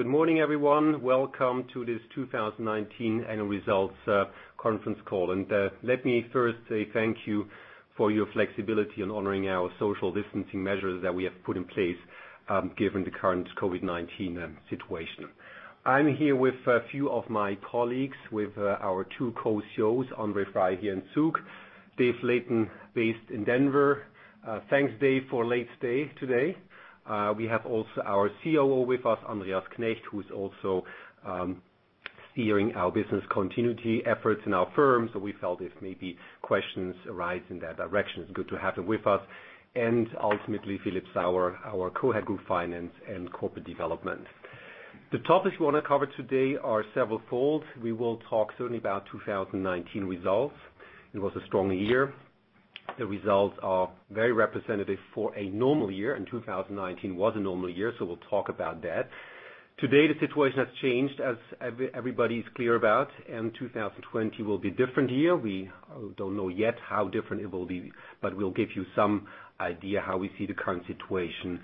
Good morning, everyone. Welcome to this 2019 annual results conference call. Let me first say thank you for your flexibility in honoring our social distancing measures that we have put in place given the current COVID-19 situation. I'm here with a few of my colleagues, with our two Co-CEOs, André Frei, here in Zug, David Layton, based in Denver. Thanks, Dave, for a late day today. We have also our COO with us, Andreas Knecht, who's also steering our business continuity efforts in our firm. We felt if maybe questions arise in that direction, it's good to have him with us. Ultimately, Philip Sauer, our Co-Head of Group Finance and Corporate Development. The topics we want to cover today are several fold. We will talk certainly about 2019 results. It was a strong year. The results are very representative for a normal year, and 2019 was a normal year, so we'll talk about that. Today, the situation has changed, as everybody's clear about, and 2020 will be a different year. We don't know yet how different it will be, but we'll give you some idea how we see the current situation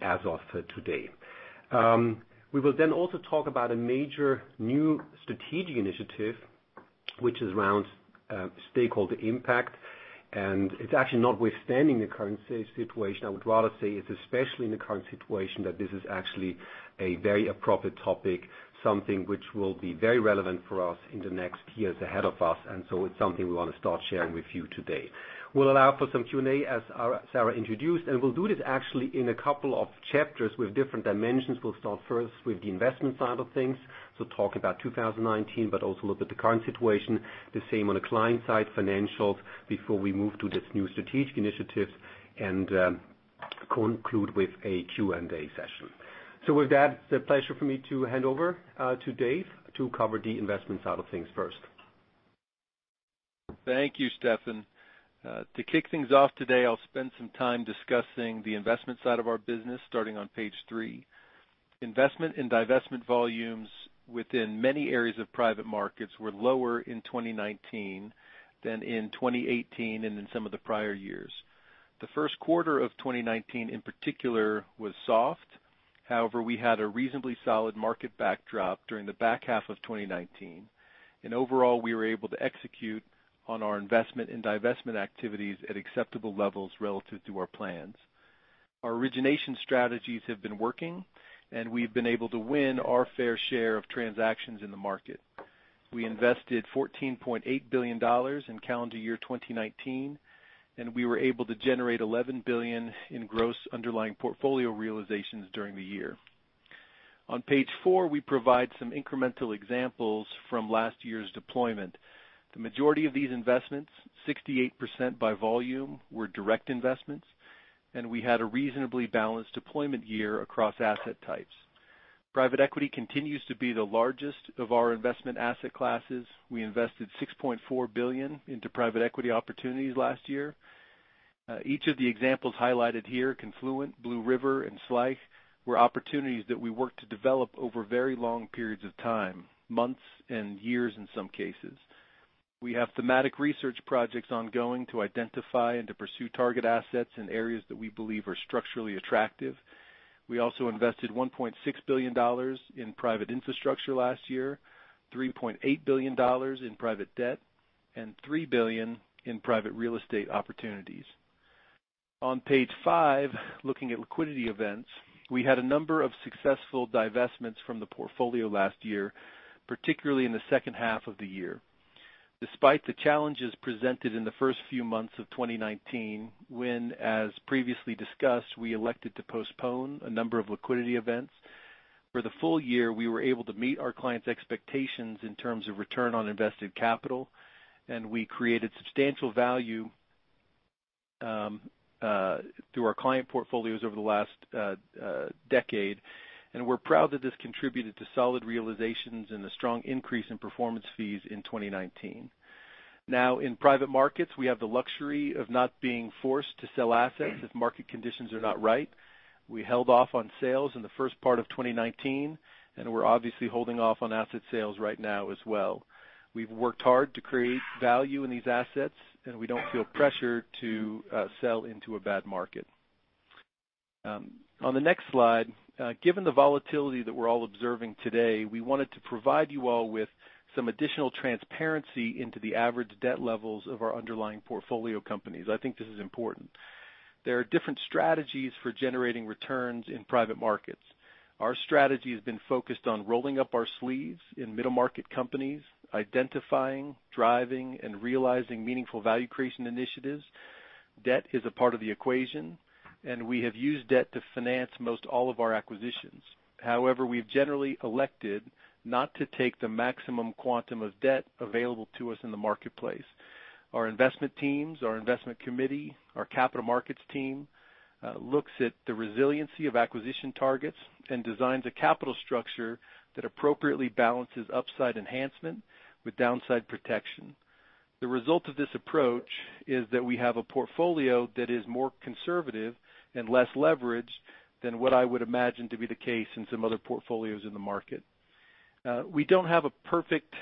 as of today. We will then also talk about a major new strategic initiative, which is around stakeholder impact, and it's actually notwithstanding the current situation. I would rather say it's especially in the current situation that this is actually a very appropriate topic, something which will be very relevant for us in the next years ahead of us. It's something we want to start sharing with you today. We'll allow for some Q&A, as Sarah introduced, and we'll do this actually in a couple of chapters with different dimensions. We'll start first with the investment side of things, so talk about 2019, but also look at the current situation. The same on the client side, financials, before we move to this new strategic initiative and conclude with a Q&A session. With that, it's a pleasure for me to hand over to Dave to cover the investment side of things first. Thank you, Steffen. To kick things off today, I'll spend some time discussing the investment side of our business, starting on page three. Investment and divestment volumes within many areas of private markets were lower in 2019 than in 2018, and in some of the prior years. The Q1 of 2019 in particular was soft. However, we had a reasonably solid market backdrop during the back half of 2019. Overall, we were able to execute on our investment and divestment activities at acceptable levels relative to our plans. Our origination strategies have been working, and we've been able to win our fair share of transactions in the market. We invested $14.8 billion in calendar year 2019, and we were able to generate $11 billion in gross underlying portfolio realizations during the year. On page four, we provide some incremental examples from last year's deployment. The majority of these investments, 68% by volume, were direct investments, and we had a reasonably balanced deployment year across asset types. Private equity continues to be the largest of our investment asset classes. We invested 6.4 billion into private equity opportunities last year. Each of the examples highlighted here, Confluent, Blue River, and Schleich, were opportunities that we worked to develop over very long periods of time, months and years in some cases. We have thematic research projects ongoing to identify and to pursue target assets in areas that we believe are structurally attractive. We also invested CHF 1.6 billion in private infrastructure last year, CHF 3.8 billion in private debt, and 3 billion in private real estate opportunities. On page five, looking at liquidity events, we had a number of successful divestments from the portfolio last year, particularly in the H2 of the year. Despite the challenges presented in the first few months of 2019, when, as previously discussed, we elected to postpone a number of liquidity events, for the full-year, we were able to meet our clients' expectations in terms of return on invested capital, and we created substantial value through our client portfolios over the last decade, and we're proud that this contributed to solid realizations and a strong increase in performance fees in 2019. In private markets, we have the luxury of not being forced to sell assets if market conditions are not right. We held off on sales in the first part of 2019, and we're obviously holding off on asset sales right now as well. We've worked hard to create value in these assets, and we don't feel pressure to sell into a bad market. On the next slide, given the volatility that we're all observing today, we wanted to provide you all with some additional transparency into the average debt levels of our underlying portfolio companies. I think this is important. There are different strategies for generating returns in private markets. Our strategy has been focused on rolling up our sleeves in middle-market companies, identifying, driving, and realizing meaningful value creation initiatives. Debt is a part of the equation. We have used debt to finance most all of our acquisitions. However, we've generally elected not to take the maximum quantum of debt available to us in the marketplace. Our investment teams, our investment committee, our capital markets team looks at the resiliency of acquisition targets and designs a capital structure that appropriately balances upside enhancement with downside protection. The result of this approach is that we have a portfolio that is more conservative and less leveraged than what I would imagine to be the case in some other portfolios in the market. We don't have a perfect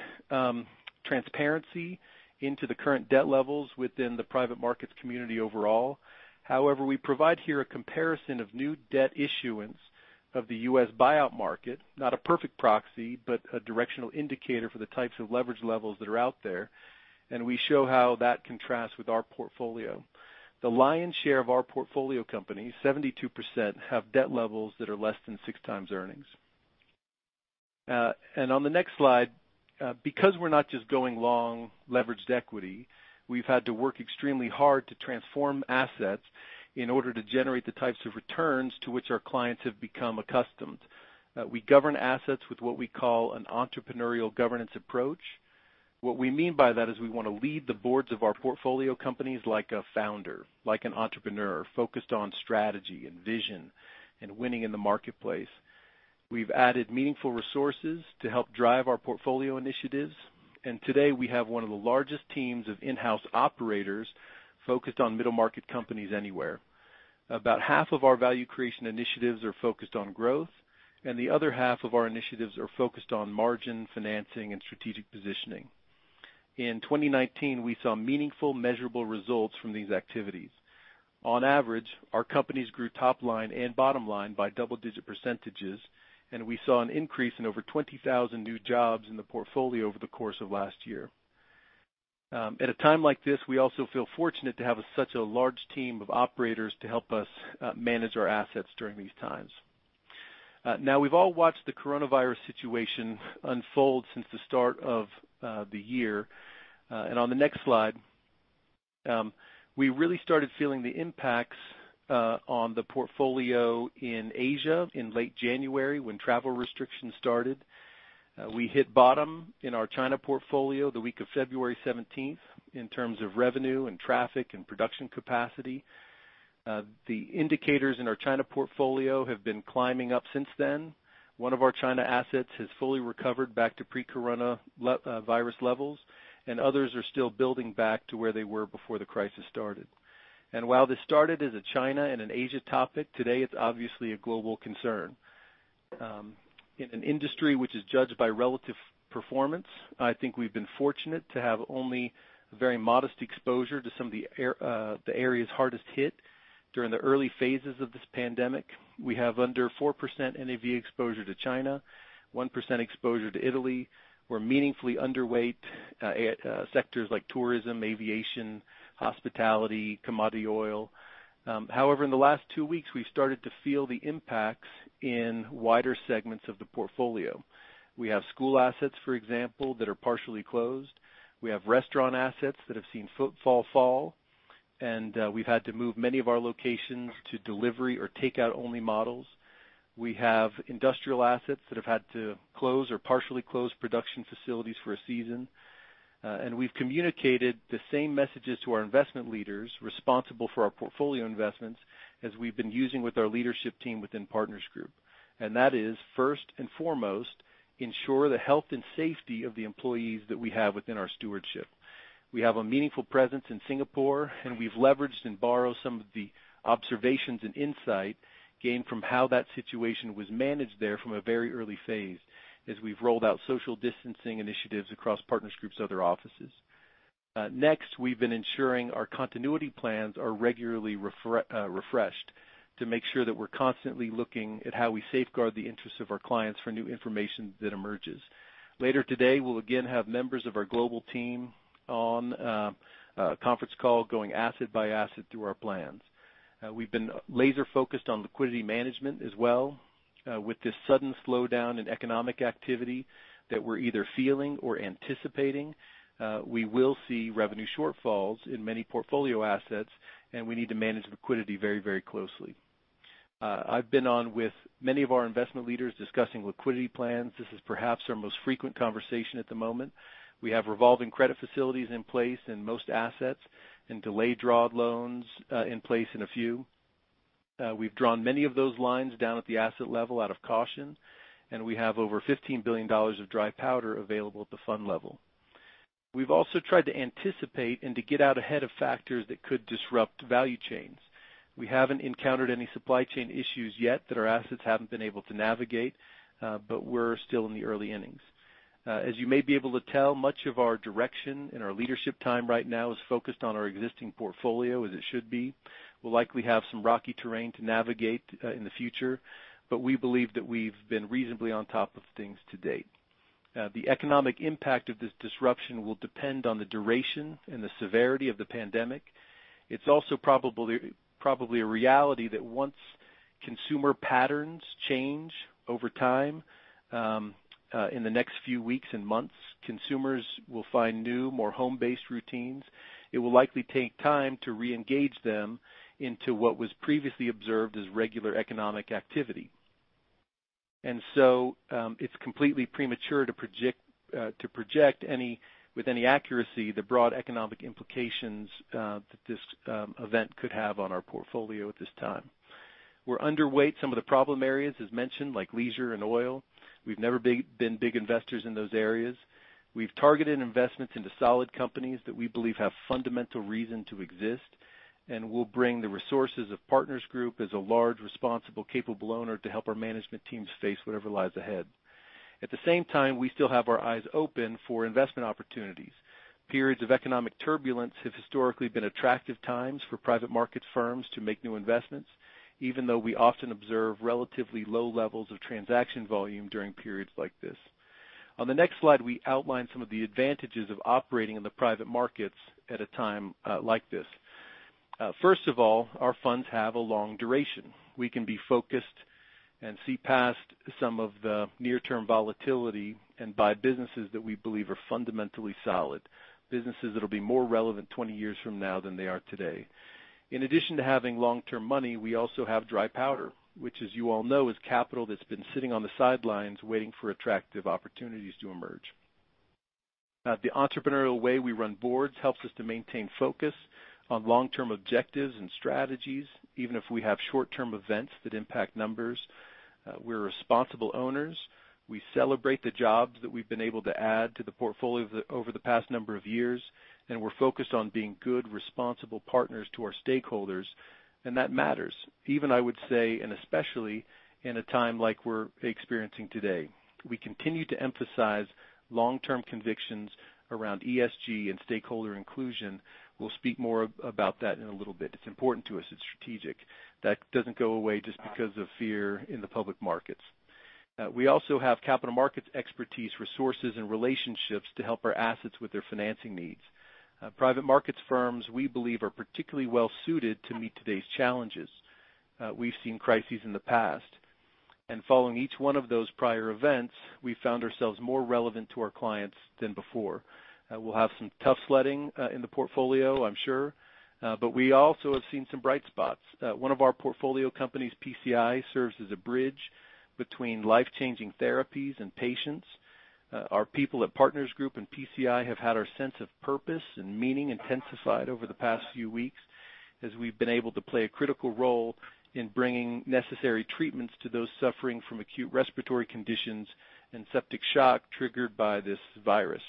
transparency into the current debt levels within the private markets community overall. We provide here a comparison of new debt issuance of the U.S. buyout market, not a perfect proxy, but a directional indicator for the types of leverage levels that are out there, and we show how that contrasts with our portfolio. The lion's share of our portfolio companies, 72%, have debt levels that are less than 6x earnings. On the next slide, because we're not just going long leveraged equity, we've had to work extremely hard to transform assets in order to generate the types of returns to which our clients have become accustomed. We govern assets with what we call an entrepreneurial governance approach. What we mean by that is we want to lead the boards of our portfolio companies like a founder, like an entrepreneur, focused on strategy and vision and winning in the marketplace. We've added meaningful resources to help drive our portfolio initiatives. Today we have one of the largest teams of in-house operators focused on middle-market companies anywhere. About half of our value creation initiatives are focused on growth, and the other half of our initiatives are focused on margin, financing, and strategic positioning. In 2019, we saw meaningful measurable results from these activities. On average, our companies grew top line and bottom line by double-digit %, and we saw an increase in over 20,000 new jobs in the portfolio over the course of last year. At a time like this we also feel fortunate to have such a large team of operators to help us manage our assets during this times. We've all watched the coronavirus situation unfold since the start of the year. On the next slide, we really started feeling the impacts on the portfolio in Asia in late January when travel restrictions started. We hit bottom in our China portfolio the week of February 17th in terms of revenue and traffic and production capacity. The indicators in our China portfolio have been climbing up since then. One of our China assets has fully recovered back to pre-coronavirus levels, and others are still building back to where they were before the crisis started. While this started as a China and an Asia topic, today it's obviously a global concern. In an industry which is judged by relative performance, I think we've been fortunate to have only a very modest exposure to some of the areas hardest hit during the early phases of this pandemic. We have under 4% NAV exposure to China, 1% exposure to Italy. We're meaningfully underweight sectors like tourism, aviation, hospitality, commodity oil. In the last two weeks, we've started to feel the impacts in wider segments of the portfolio. We have school assets, for example, that are partially closed. We have restaurant assets that have seen footfall fall, and we've had to move many of our locations to delivery or takeout-only models. We have industrial assets that have had to close or partially close production facilities for a season. We've communicated the same messages to our investment leaders responsible for our portfolio investments as we've been using with our leadership team within Partners Group. That is, first and foremost, ensure the health and safety of the employees that we have within our stewardship. We have a meaningful presence in Singapore, and we've leveraged and borrowed some of the observations and insight gained from how that situation was managed there from a very early phase, as we've rolled out social distancing initiatives across Partners Group's other offices. Next, we've been ensuring our continuity plans are regularly refreshed to make sure that we're constantly looking at how we safeguard the interests of our clients for new information that emerges. Later today, we'll again have members of our global team on a conference call going asset by asset through our plans. We've been laser-focused on liquidity management as well. With this sudden slowdown in economic activity that we're either feeling or anticipating, we will see revenue shortfalls in many portfolio assets, and we need to manage liquidity very closely. I've been on with many of our investment leaders discussing liquidity plans. This is perhaps our most frequent conversation at the moment. We have revolving credit facilities in place in most assets and delayed drawn loans in place in a few. We've drawn many of those lines down at the asset level out of caution, and we have over CHF 15 billion of dry powder available at the fund level. We've also tried to anticipate and to get out ahead of factors that could disrupt value chains. We haven't encountered any supply chain issues yet that our assets haven't been able to navigate, but we're still in the early innings. As you may be able to tell, much of our direction and our leadership time right now is focused on our existing portfolio, as it should be. We will likely have some rocky terrain to navigate in the future, but we believe that we have been reasonably on top of things to date. The economic impact of this disruption will depend on the duration and the severity of the pandemic. It is also probably a reality that once consumer patterns change over time, in the next few weeks and months, consumers will find new, more home-based routines. It will likely take time to reengage them into what was previously observed as regular economic activity. It is completely premature to project with any accuracy the broad economic implications that this event could have on our portfolio at this time. We are underweight some of the problem areas as mentioned, like leisure and oil. We've never been big investors in those areas. We've targeted investments into solid companies that we believe have fundamental reason to exist, and we'll bring the resources of Partners Group as a large, responsible, capable owner to help our management teams face whatever lies ahead. At the same time, we still have our eyes open for investment opportunities. Periods of economic turbulence have historically been attractive times for private markets firms to make new investments, even though we often observe relatively low levels of transaction volume during periods like this. On the next slide, we outline some of the advantages of operating in the private markets at a time like this. First of all, our funds have a long duration. We can be focused and see past some of the near-term volatility and buy businesses that we believe are fundamentally solid, businesses that'll be more relevant 20 years from now than they are today. In addition to having long-term money, we also have dry powder, which as you all know, is capital that's been sitting on the sidelines waiting for attractive opportunities to emerge. The entrepreneurial way we run boards helps us to maintain focus on long-term objectives and strategies, even if we have short-term events that impact numbers. We're responsible owners. We celebrate the jobs that we've been able to add to the portfolio over the past number of years, and we're focused on being good, responsible partners to our stakeholders, and that matters, even I would say, and especially in a time like we're experiencing today. We continue to emphasize long-term convictions around ESG and stakeholder inclusion. We'll speak more about that in a little bit. It's important to us. It's strategic. That doesn't go away just because of fear in the public markets. We also have capital markets expertise, resources, and relationships to help our assets with their financing needs. Private markets firms, we believe, are particularly well-suited to meet today's challenges. We've seen crises in the past. Following each one of those prior events, we found ourselves more relevant to our clients than before. We'll have some tough sledding in the portfolio, I'm sure. We also have seen some bright spots. One of our portfolio companies, PCI, serves as a bridge between life-changing therapies and patients. Our people at Partners Group and PCI have had our sense of purpose and meaning intensified over the past few weeks as we've been able to play a critical role in bringing necessary treatments to those suffering from acute respiratory conditions and septic shock triggered by this virus.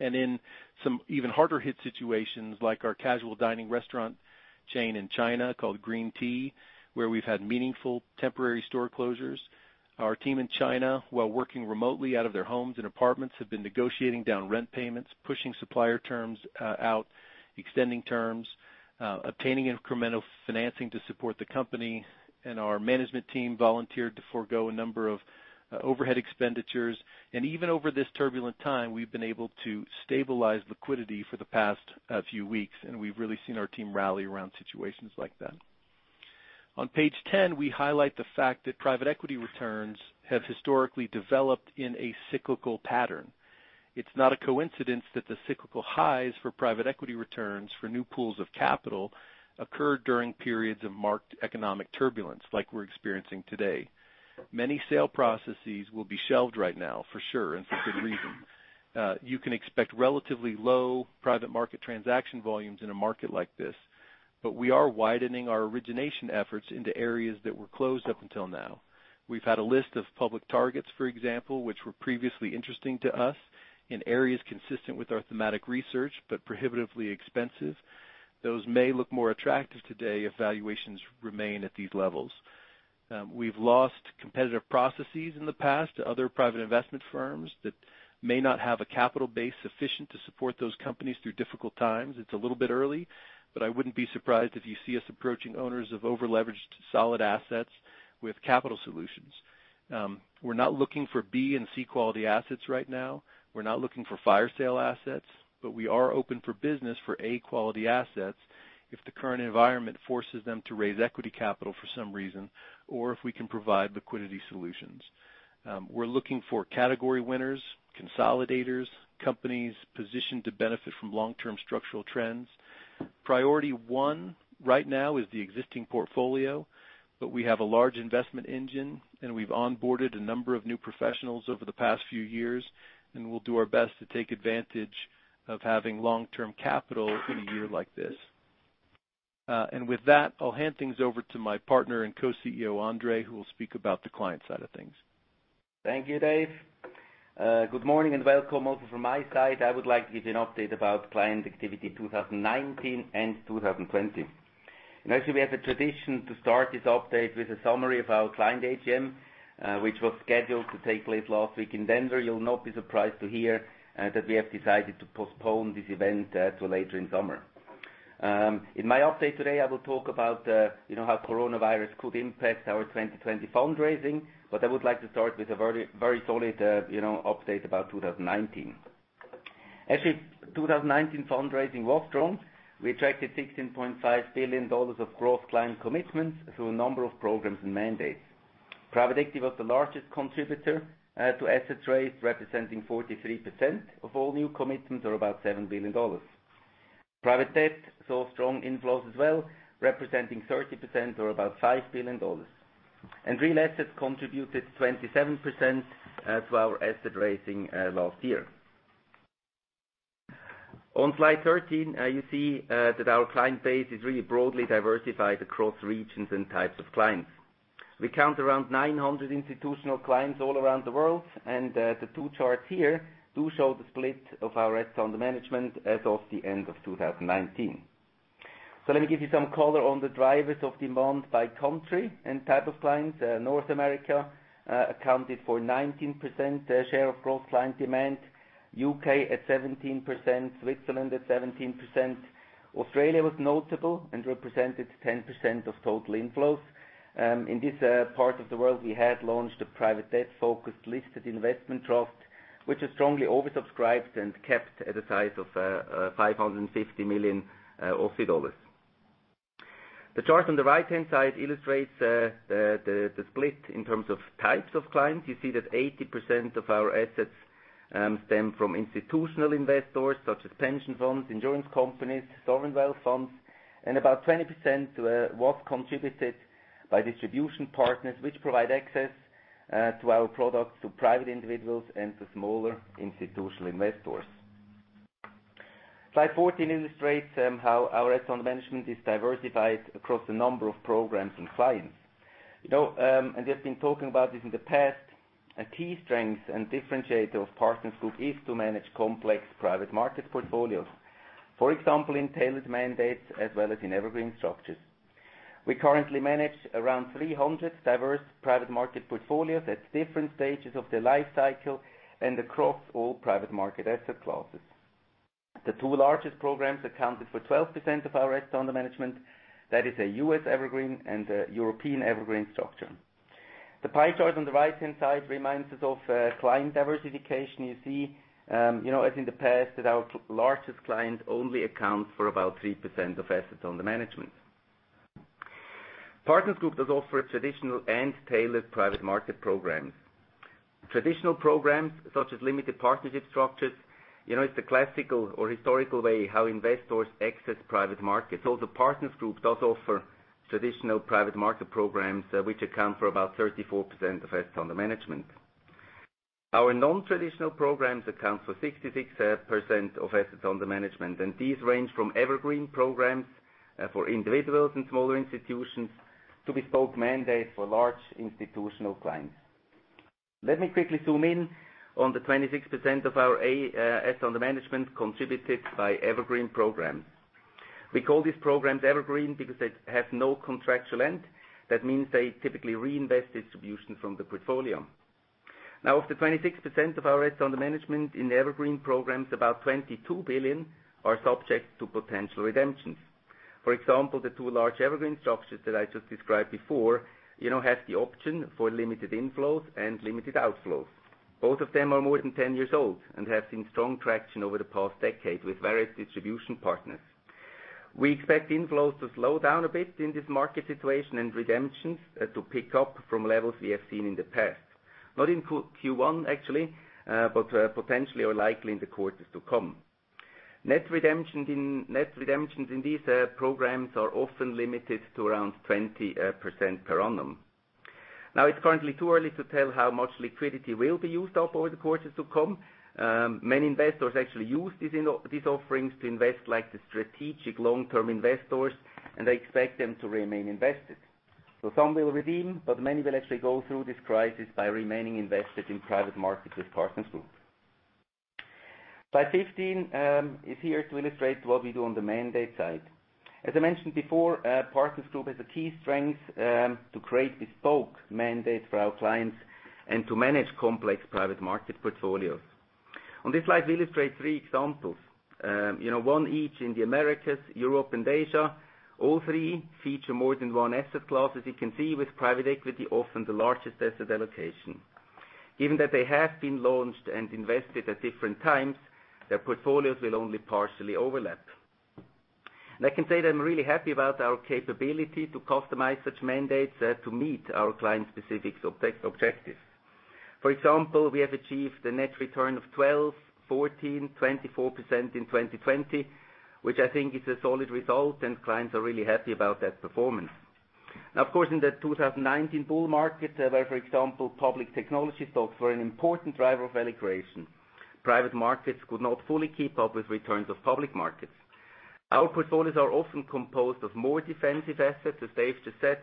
In some even harder hit situations, like our casual dining restaurant chain in China called Green Tea, where we've had meaningful temporary store closures. Our team in China, while working remotely out of their homes and apartments, have been negotiating down rent payments, pushing supplier terms out, extending terms, obtaining incremental financing to support the company. Our management team volunteered to forgo a number of overhead expenditures. Even over this turbulent time, we've been able to stabilize liquidity for the past few weeks, and we've really seen our team rally around situations like that. On page 10, we highlight the fact that private equity returns have historically developed in a cyclical pattern. It's not a coincidence that the cyclical highs for private equity returns for new pools of capital occurred during periods of marked economic turbulence like we're experiencing today. Many sale processes will be shelved right now for sure, and for good reason. You can expect relatively low private market transaction volumes in a market like this. We are widening our origination efforts into areas that were closed up until now. We've had a list of public targets, for example, which were previously interesting to us in areas consistent with our thematic research, but prohibitively expensive. Those may look more attractive today if valuations remain at these levels. We've lost competitive processes in the past to other private investment firms that may not have a capital base sufficient to support those companies through difficult times. It's a little bit early, but I wouldn't be surprised if you see us approaching owners of over-leveraged solid assets with capital solutions. We're not looking for B and C quality assets right now. We're not looking for fire sale assets. We are open for business for A quality assets if the current environment forces them to raise equity capital for some reason, or if we can provide liquidity solutions. We're looking for category winners, consolidators, companies positioned to benefit from long-term structural trends. Priority one right now is the existing portfolio. We have a large investment engine, and we've onboarded a number of new professionals over the past few years, and we'll do our best to take advantage of having long-term capital in a year like this. With that, I'll hand things over to my Partner and Co-CEO, André, who will speak about the client side of things. Thank you, Dave. Good morning, welcome also from my side. I would like to give you an update about client activity 2019 and 2020. Actually, we have a tradition to start this update with a summary of our client AGM, which was scheduled to take place last week in Denver. You'll not be surprised to hear that we have decided to postpone this event to later in summer. In my update today, I will talk about how coronavirus could impact our 2020 fundraising, I would like to start with a very solid update about 2019. Actually, 2019 fundraising was strong. We attracted CHF 16.5 billion of gross client commitments through a number of programs and mandates. Private equity was the largest contributor to asset raise, representing 43% of all new commitments or about CHF 7 billion. Private debt saw strong inflows as well, representing 30% or about CHF 5 billion. Real assets contributed 27% to our asset raising last year. On slide 13, you see that our client base is really broadly diversified across regions and types of clients. We count around 900 institutional clients all around the world, and the two charts here do show the split of our assets under management as of the end of 2019. Let me give you some color on the drivers of demand by country and type of clients. North America accounted for 19% share of gross client demand, U.K. at 17%, Switzerland at 17%. Australia was notable and represented 10% of total inflows. In this part of the world, we had launched a private debt-focused listed investment trust, which is strongly oversubscribed and capped at a size of 550 million Aussie dollars. The chart on the right-hand side illustrates the split in terms of types of clients. You see that 80% of our assets stem from institutional investors such as pension funds, insurance companies, sovereign wealth funds, and about 20% was contributed by distribution partners, which provide access to our products to private individuals and to smaller institutional investors. Slide 14 illustrates how our asset management is diversified across a number of programs and clients. We have been talking about this in the past, a key strength and differentiator of Partners Group is to manage complex private market portfolios. For example, in tailored mandates as well as in evergreen structures. We currently manage around 300 diverse private market portfolios at different stages of their life cycle and across all private market asset classes. The two largest programs accounted for 12% of our assets under management. That is a U.S. evergreen and a European evergreen structure. The pie chart on the right-hand side reminds us of client diversification. You see, as in the past, that our largest client only accounts for about 3% of assets under management. Partners Group does offer traditional and tailored private market programs. Traditional programs such as limited partnership structures, it's the classical or historical way how investors access private markets. Also, Partners Group does offer traditional private market programs, which account for about 34% of assets under management. Our non-traditional programs account for 66% of assets under management, and these range from evergreen programs for individuals and smaller institutions to bespoke mandates for large institutional clients. Let me quickly zoom in on the 26% of our assets under management contributed by evergreen programs. We call these programs evergreen because they have no contractual end. That means they typically reinvest distribution from the portfolio. Of the 26% of our assets under management in the evergreen programs, about 22 billion are subject to potential redemptions. For example, the two large evergreen structures that I just described before, have the option for limited inflows and limited outflows. Both of them are more than 10 years old and have seen strong traction over the past decade with various distribution partners. We expect inflows to slow down a bit in this market situation and redemptions to pick up from levels we have seen in the past. Not in Q1, actually, but potentially or likely in the quarters to come. Net redemptions in these programs are often limited to around 20% per annum. It's currently too early to tell how much liquidity will be used up over the quarters to come. Many investors actually use these offerings to invest like the strategic long-term investors, and I expect them to remain invested. Some will redeem, but many will actually go through this crisis by remaining invested in private markets with Partners Group. Slide 15 is here to illustrate what we do on the mandate side. As I mentioned before, Partners Group has a key strength to create bespoke mandates for our clients and to manage complex private market portfolios. On this slide, we illustrate three examples. One each in the Americas, Europe, and Asia. All three feature more than one asset class, as you can see, with private equity often the largest asset allocation. Given that they have been launched and invested at different times, their portfolios will only partially overlap. I can say that I'm really happy about our capability to customize such mandates to meet our clients' specific objectives. For example, we have achieved a net return of 12%, 14%, 24% in 2020, which I think is a solid result, and clients are really happy about that performance. Of course, in the 2019 bull market, where, for example, public technology stocks were an important driver of allocation, private markets could not fully keep up with returns of public markets. Our portfolios are often composed of more defensive assets, a safer set,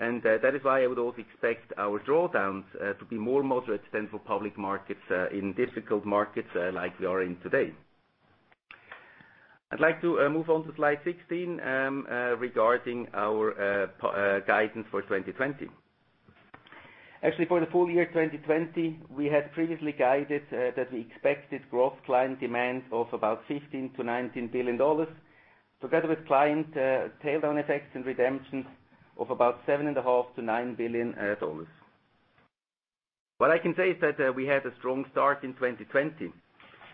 and that is why I would also expect our drawdowns to be more moderate than for public markets in difficult markets like we are in today. I'd like to move on to slide 16 regarding our guidance for 2020. Actually, for the full-year 2020, we had previously guided that we expected growth client demand of about $15 billion-$19 billion, together with client tail-down effects and redemptions of about $7.5 billion-$9 billion. What I can say is that we had a strong start in 2020,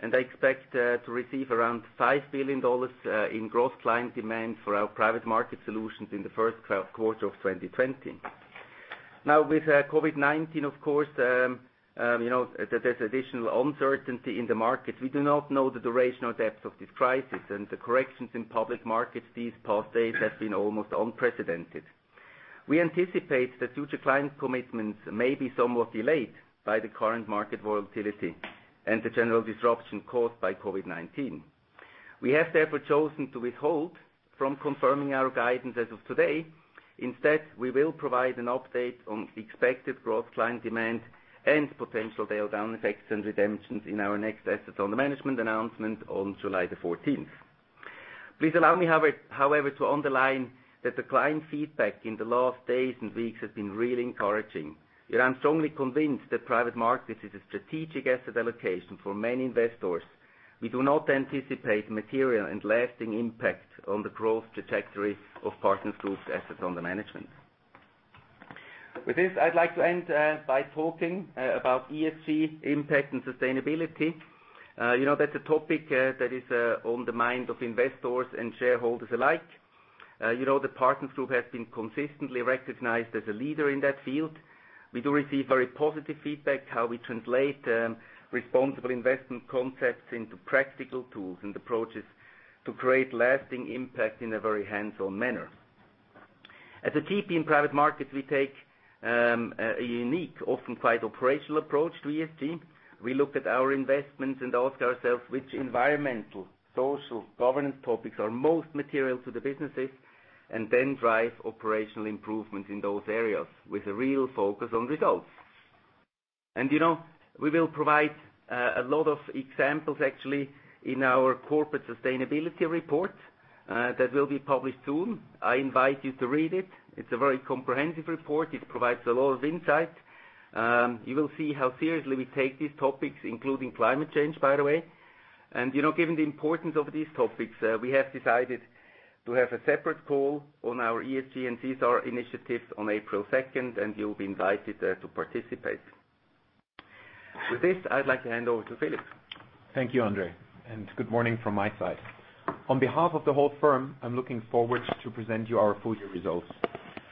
and I expect to receive around $5 billion in growth client demand for our private market solutions in the Q1 of 2020. With COVID-19, of course, there's additional uncertainty in the market. We do not know the duration or depth of this crisis, and the corrections in public markets these past days have been almost unprecedented. We anticipate that future client commitments may be somewhat delayed by the current market volatility and the general disruption caused by COVID-19. We have therefore chosen to withhold from confirming our guidance as of today. Instead, we will provide an update on expected growth client demand and potential drawdown effects and redemptions in our next assets under management announcement on July the 14th. Please allow me, however, to underline that the client feedback in the last days and weeks has been really encouraging. I'm strongly convinced that private markets is a strategic asset allocation for many investors. We do not anticipate material and lasting impact on the growth trajectory of Partners Group's assets under management. With this, I'd like to end by talking about ESG impact and sustainability. You know that's a topic that is on the mind of investors and shareholders alike. The Partners Group has been consistently recognized as a leader in that field. We do receive very positive feedback how we translate responsible investment concepts into practical tools and approaches to create lasting impact in a very hands-on manner. As a GP in private markets, we take a unique, often quite operational approach to ESG. We look at our investments and ask ourselves which environmental, social, governance topics are most material to the businesses, and then drive operational improvements in those areas with a real focus on results. We will provide a lot of examples, actually, in our corporate sustainability report that will be published soon. I invite you to read it. It's a very comprehensive report. It provides a lot of insight. You will see how seriously we take these topics, including climate change, by the way. Given the importance of these topics, we have decided to have a separate call on our ESG and CSR initiatives on April 2nd, and you'll be invited there to participate. With this, I'd like to hand over to Philip. Thank you, André, and good morning from my side. On behalf of the whole firm, I am looking forward to present you our full-year results.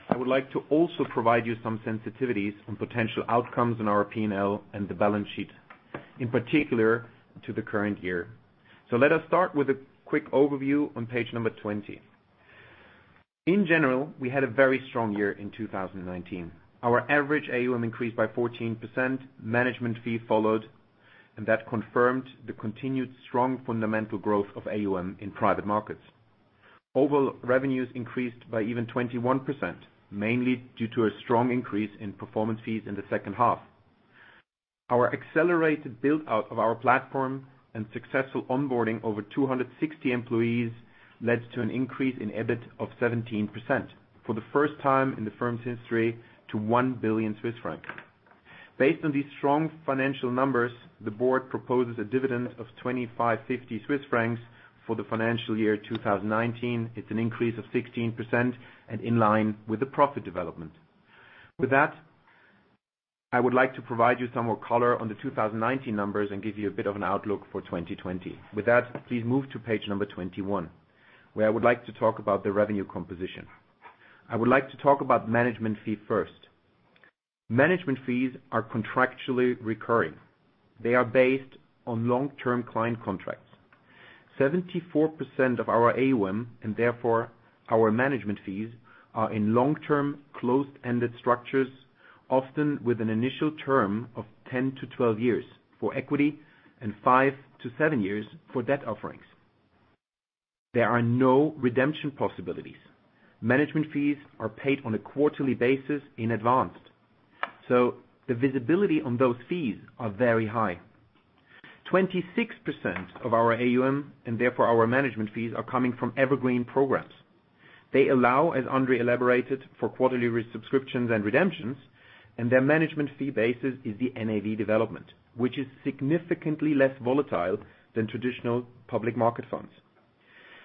I would like to also provide you some sensitivities on potential outcomes in our P&L and the balance sheet, in particular to the current year. Let us start with a quick overview on page 20. In general, we had a very strong year in 2019. Our average AUM increased by 14%, management fee followed, and that confirmed the continued strong fundamental growth of AUM in private markets. Overall revenues increased by even 21%, mainly due to a strong increase in performance fees in the H2. Our accelerated build-out of our platform and successful onboarding over 260 employees led to an increase in EBIT of 17%, for the first time in the firm's history, to 1 billion Swiss francs. Based on these strong financial numbers, the board proposes a dividend of 25.50 Swiss francs for the financial year 2019. It's an increase of 16% and in line with the profit development. I would like to provide you some more color on the 2019 numbers and give you a bit of an outlook for 2020. Please move to page number 21, where I would like to talk about the revenue composition. I would like to talk about management fee first. Management fees are contractually recurring. They are based on long-term client contracts. 74% of our AUM, and therefore our management fees, are in long-term, closed-ended structures, often with an initial term of 10 to 12 years for equity and five to seven years for debt offerings. There are no redemption possibilities. Management fees are paid on a quarterly basis in advance. The visibility on those fees are very high. 26% of our AUM, and therefore our management fees, are coming from evergreen programs. They allow, as André elaborated, for quarterly subscriptions and redemptions, and their management fee basis is the NAV development, which is significantly less volatile than traditional public market funds.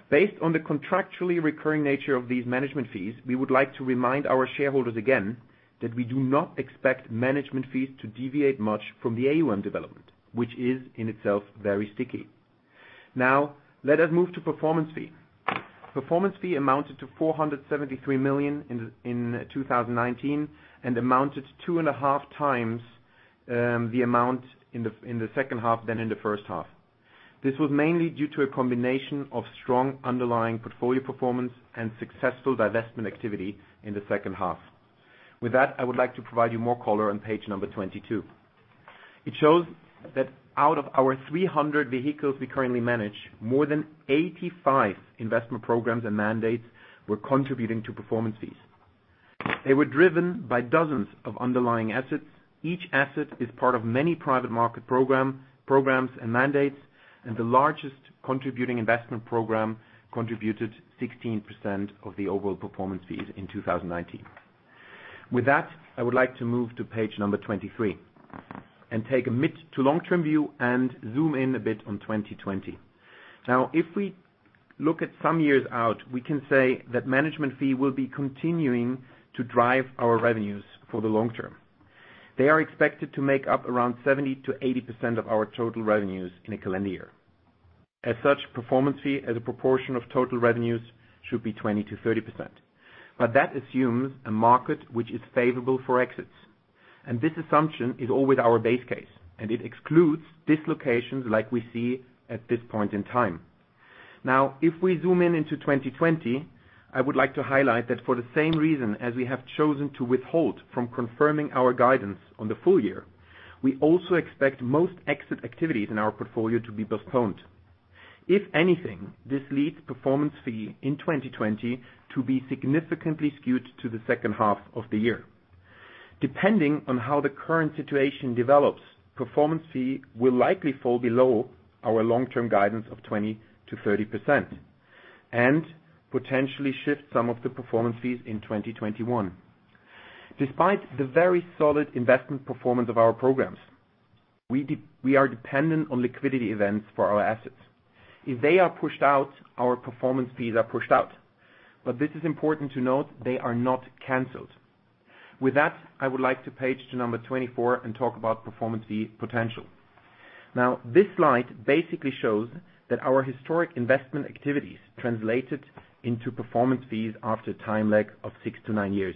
Based on the contractually recurring nature of these management fees, we would like to remind our shareholders again that we do not expect management fees to deviate much from the AUM development, which is in itself very sticky. Let us move to performance fee. Performance fee amounted to 473 million in 2019 and amounted 2.5x the amount in the H2 than in the H1. This was mainly due to a combination of strong underlying portfolio performance and successful divestment activity in the H2. With that, I would like to provide you more color on page number 22. It shows that out of our 300 vehicles we currently manage, more than 85 investment programs and mandates were contributing to performance fees. They were driven by dozens of underlying assets. Each asset is part of many private market programs and mandates, and the largest contributing investment program contributed 16% of the overall performance fees in 2019. With that, I would like to move to page number 23 and take a mid to long-term view and zoom in a bit on 2020. If we look at some years out, we can say that management fee will be continuing to drive our revenues for the long term. They are expected to make up around 70%-80% of our total revenues in a calendar year. As such, performance fee as a proportion of total revenues should be 20%-30%. That assumes a market which is favorable for exits. This assumption is always our base case, and it excludes dislocations like we see at this point in time. If we zoom in into 2020, I would like to highlight that for the same reason as we have chosen to withhold from confirming our guidance on the full-year, we also expect most exit activities in our portfolio to be postponed. If anything, this leads performance fee in 2020 to be significantly skewed to the H2 of the year. Depending on how the current situation develops, performance fee will likely fall below our long-term guidance of 20%-30%, and potentially shift some of the performance fees in 2021. Despite the very solid investment performance of our programs, we are dependent on liquidity events for our assets. If they are pushed out, our performance fees are pushed out. This is important to note, they are not canceled. With that, I would like to page to number 24 and talk about performance fee potential. This slide basically shows that our historic investment activities translated into performance fees after a time lag of six to nine years.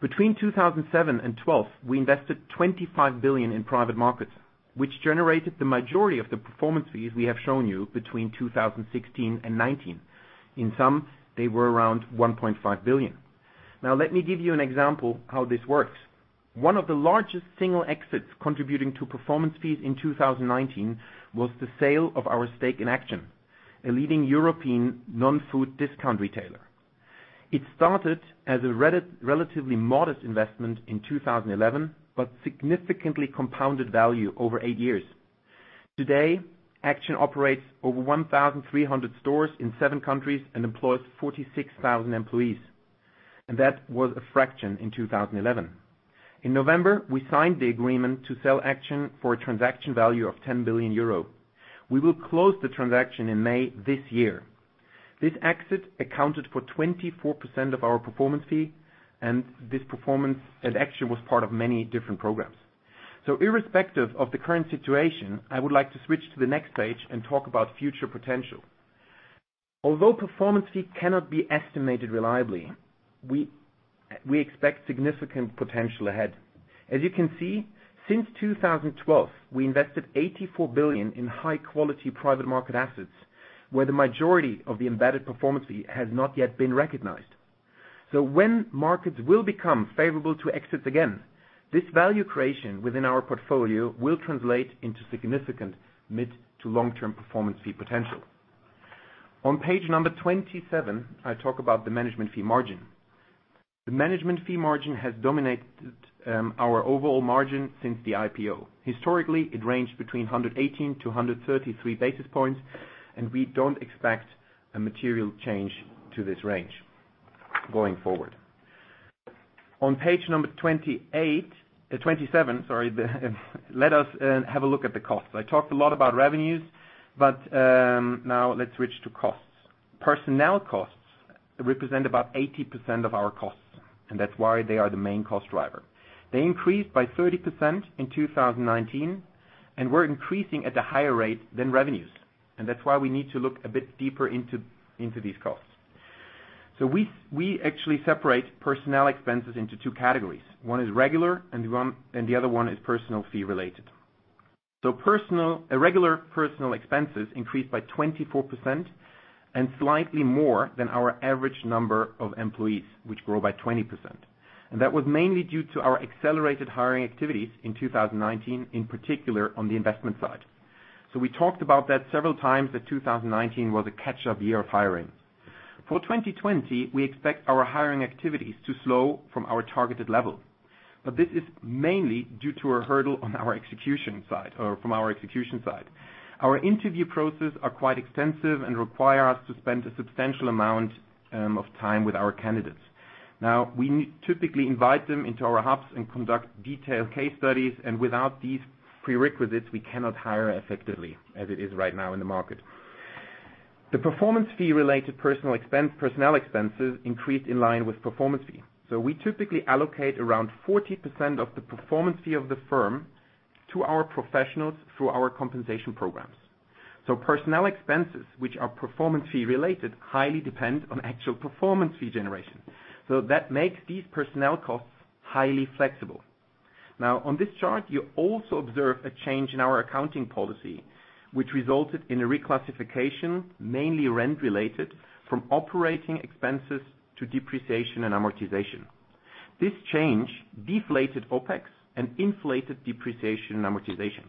Between 2007 and 2012, we invested 25 billion in private markets, which generated the majority of the performance fees we have shown you between 2016 and 2019. In sum, they were around 1.5 billion. Let me give you an example how this works. One of the largest single exits contributing to performance fees in 2019 was the sale of our stake in Action, a leading European non-food discount retailer. It started as a relatively modest investment in 2011, but significantly compounded value over eight years. Today, Action operates over 1,300 stores in seven countries and employs 46,000 employees. That was a fraction in 2011. In November, we signed the agreement to sell Action for a transaction value of €10 billion. We will close the transaction in May this year. This exit accounted for 24% of our performance fee, and this performance at Action was part of many different programs. Irrespective of the current situation, I would like to switch to the next page and talk about future potential. Although performance fee cannot be estimated reliably, we expect significant potential ahead. As you can see, since 2012, we invested 84 billion in high-quality private market assets, where the majority of the embedded performance fee has not yet been recognized. When markets will become favorable to exits again, this value creation within our portfolio will translate into significant mid to long-term performance fee potential. On page number 27, I talk about the management fee margin. The management fee margin has dominated our overall margin since the IPO. Historically, it ranged between 118 to 133 basis points, and we don't expect a material change to this range going forward. On page number 28, 27, sorry, let us have a look at the costs. I talked a lot about revenues, now let's switch to costs. Personnel costs represent about 80% of our costs, and that's why they are the main cost driver. They increased by 30% in 2019, and were increasing at a higher rate than revenues. That's why we need to look a bit deeper into these costs. We actually separate personnel expenses into two categories. One is regular and the other one is personnel fee-related. Regular personnel expenses increased by 24% and slightly more than our average number of employees, which grew by 20%. That was mainly due to our accelerated hiring activities in 2019, in particular on the investment side. We talked about that several times that 2019 was a catch-up year of hiring. For 2020, we expect our hiring activities to slow from our targeted level. This is mainly due to a hurdle on our execution side, or from our execution side. Our interview process are quite extensive and require us to spend a substantial amount of time with our candidates. We typically invite them into our hubs and conduct detailed case studies, and without these prerequisites, we cannot hire effectively as it is right now in the market. The performance fee-related personnel expenses increased in line with performance fee. We typically allocate around 40% of the performance fee of the firm to our professionals through our compensation programs. Personnel expenses, which are performance fee-related, highly depend on actual performance fee generation. That makes these personnel costs highly flexible. Now, on this chart, you also observe a change in our accounting policy, which resulted in a reclassification, mainly rent-related, from operating expenses to depreciation and amortization. This change deflated OpEx and inflated depreciation and amortization.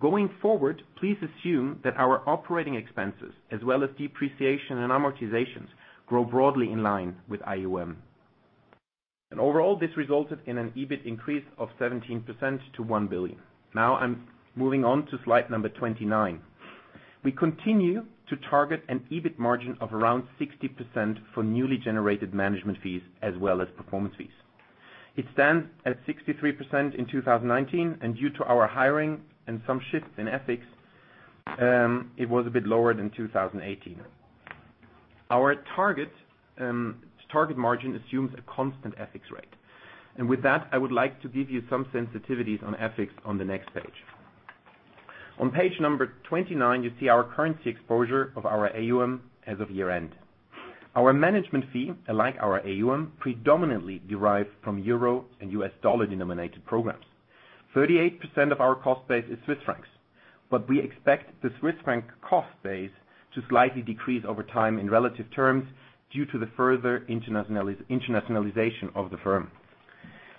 Going forward, please assume that our operating expenses, as well as depreciation and amortization, grow broadly in line with AUM. Overall, this resulted in an EBIT increase of 17% to 1 billion. Now I'm moving on to slide 29. We continue to target an EBIT margin of around 60% for newly generated management fees as well as performance fees. It stands at 63% in 2019, due to our hiring and some shifts in FX, it was a bit lower than 2018. Our target margin assumes a constant FX rate. With that, I would like to give you some sensitivities on FX on the next page. On page number 29, you see our currency exposure of our AUM as of year-end. Our management fee, like our AUM, predominantly derive from EUR and US dollar-denominated programs. 38% of our cost base is CHF, we expect the CHF cost base to slightly decrease over time in relative terms due to the further internationalization of the firm.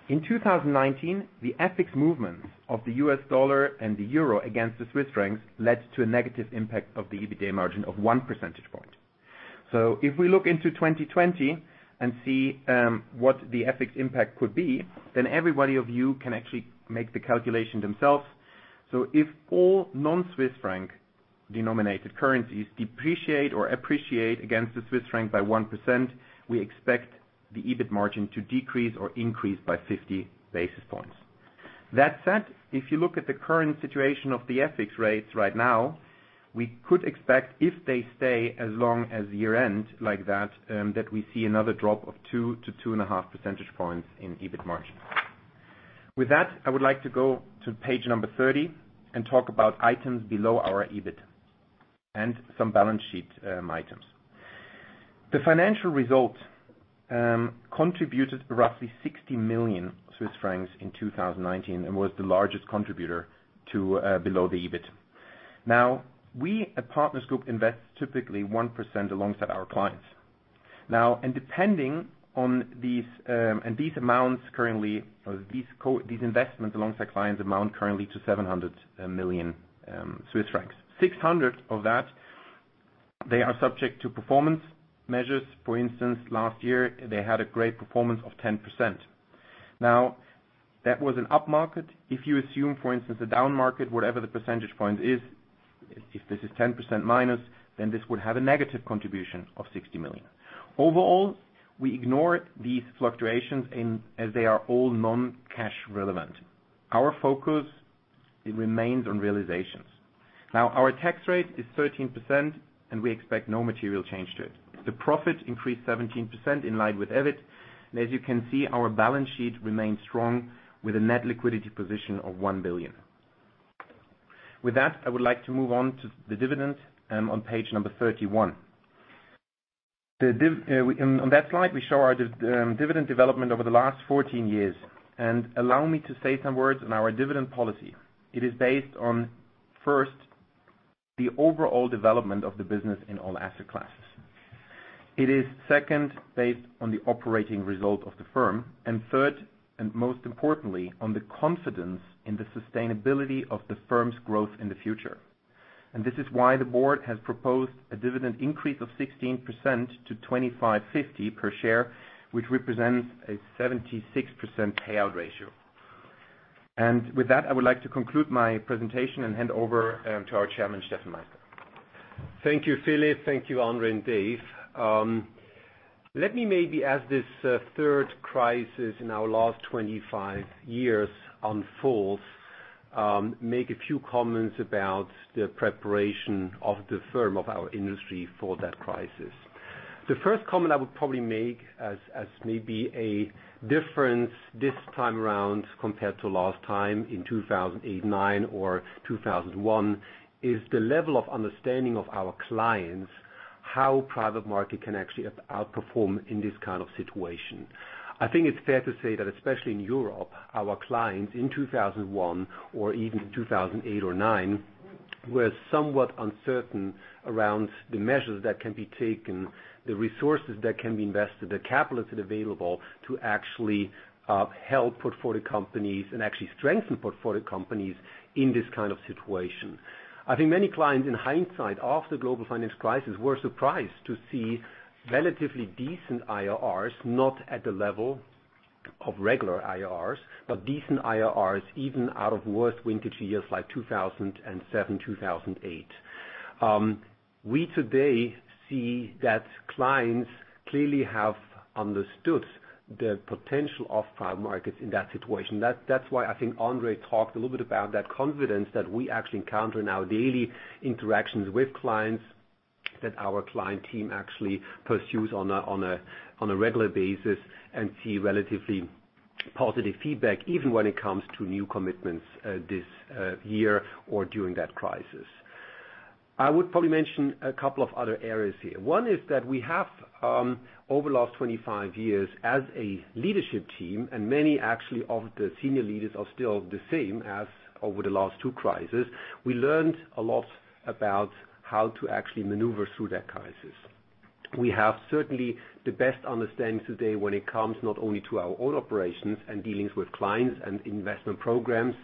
In 2019, the FX movements of the USD and the EUR against the CHF led to a negative impact of the EBITDA margin of one percentage point. If we look into 2020 and see what the FX impact could be, everybody of you can actually make the calculation themselves. If all non-CHF denominated currencies depreciate or appreciate against the CHF by 1%, we expect the EBIT margin to decrease or increase by 50 basis points. That said, if you look at the current situation of the FX rates right now, we could expect if they stay as long as year-end like that we see another drop of 2-2.5 percentage points in EBIT margin. With that, I would like to go to page 30 and talk about items below our EBIT, and some balance sheet items. The financial results contributed roughly 60 million Swiss francs in 2019 and was the largest contributor to below the EBIT. We at Partners Group invest typically 1% alongside our clients. These investments alongside clients amount currently to 700 million Swiss francs. 600 million of that, they are subject to performance measures. For instance, last year they had a great performance of 10%. That was an up market. If you assume, for instance, a down market, whatever the percentage point is, if this is 10% minus, this would have a negative contribution of 60 million. Overall, we ignore these fluctuations as they are all non-cash relevant. Our focus, it remains on realizations. Our tax rate is 13% and we expect no material change to it. The profit increased 17% in line with EBIT. As you can see, our balance sheet remains strong with a net liquidity position of 1 billion. With that, I would like to move on to the dividend on page 31. On that slide, we show our dividend development over the last 14 years. Allow me to say some words on our dividend policy. It is based on, first, the overall development of the business in all asset classes. It is, second, based on the operating result of the firm. Third, and most importantly, on the confidence in the sustainability of the firm's growth in the future. This is why the board has proposed a dividend increase of 16% to 25.50 per share, which represents a 76% payout ratio. With that, I would like to conclude my presentation and hand over to our chairman, Steffen Meister. Thank you, Philip. Thank you, André and Dave. Let me maybe, as this third crisis in our last 25 years unfolds, make a few comments about the preparation of the firm of our industry for that crisis. The first comment I would probably make as maybe a difference this time around compared to last time in 2008, 2009 or 2001, is the level of understanding of our clients, how private market can actually outperform in this kind of situation. I think it's fair to say that especially in Europe, our clients in 2001 or even 2008 or 2009, were somewhat uncertain around the measures that can be taken, the resources that can be invested, the capital that's available to actually help portfolio companies and actually strengthen portfolio companies in this kind of situation. I think many clients, in hindsight, after the global financial crisis, were surprised to see relatively decent IRRs, not at the level of regular IRRs, but decent IRRs even out of worse vintage years like 2007, 2008. We today see that clients clearly have understood the potential of private markets in that situation. That's why I think André talked a little bit about that confidence that we actually encounter in our daily interactions with clients, that our client team actually pursues on a regular basis and see relatively positive feedback even when it comes to new commitments this year or during that crisis. I would probably mention a couple of other areas here. One is that we have over the last 25 years as a leadership team, and many actually of the senior leaders are still the same as over the last two crises. We learned a lot about how to actually maneuver through that crisis. We have certainly the best understanding today when it comes not only to our own operations and dealings with clients and investment programs,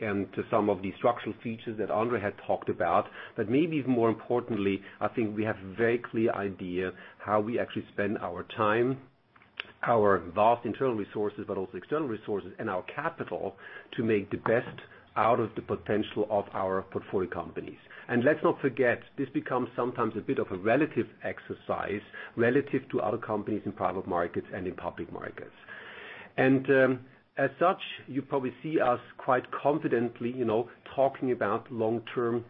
and to some of the structural features that André had talked about. But maybe even more importantly, I think we have a very clear idea how we actually spend our time, our vast internal resources, but also external resources and our capital to make the best out of the potential of our portfolio companies. And let's not forget, this becomes sometimes a bit of a relative exercise, relative to other companies in private markets and in public markets. As such, you probably see us quite confidently talking about long-term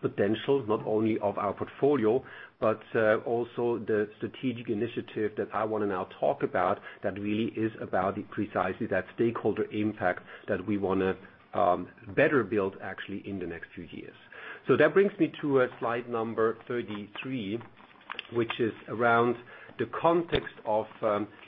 potential, not only of our portfolio, but also the strategic initiative that I want to now talk about that really is about precisely that stakeholder impact that we want to better build actually in the next few years. That brings me to slide number 33, which is around the context of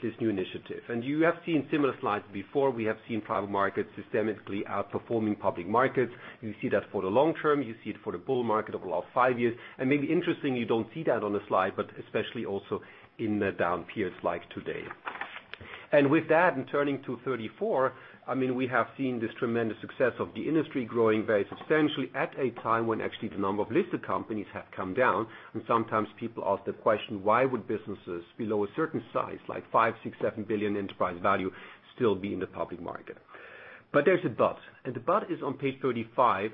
this new initiative. You have seen similar slides before. We have seen private markets systemically outperforming public markets. You see that for the long term, you see it for the bull market over the last five years. Maybe interestingly, you don't see that on the slide, but especially also in the down periods like today. With that, turning to 34, we have seen this tremendous success of the industry growing very substantially at a time when actually the number of listed companies have come down. Sometimes people ask the question, why would businesses below a certain size, like 5 billion, 6 billion, 7 billion enterprise value still be in the public market? There's a but, and the but is on page 35.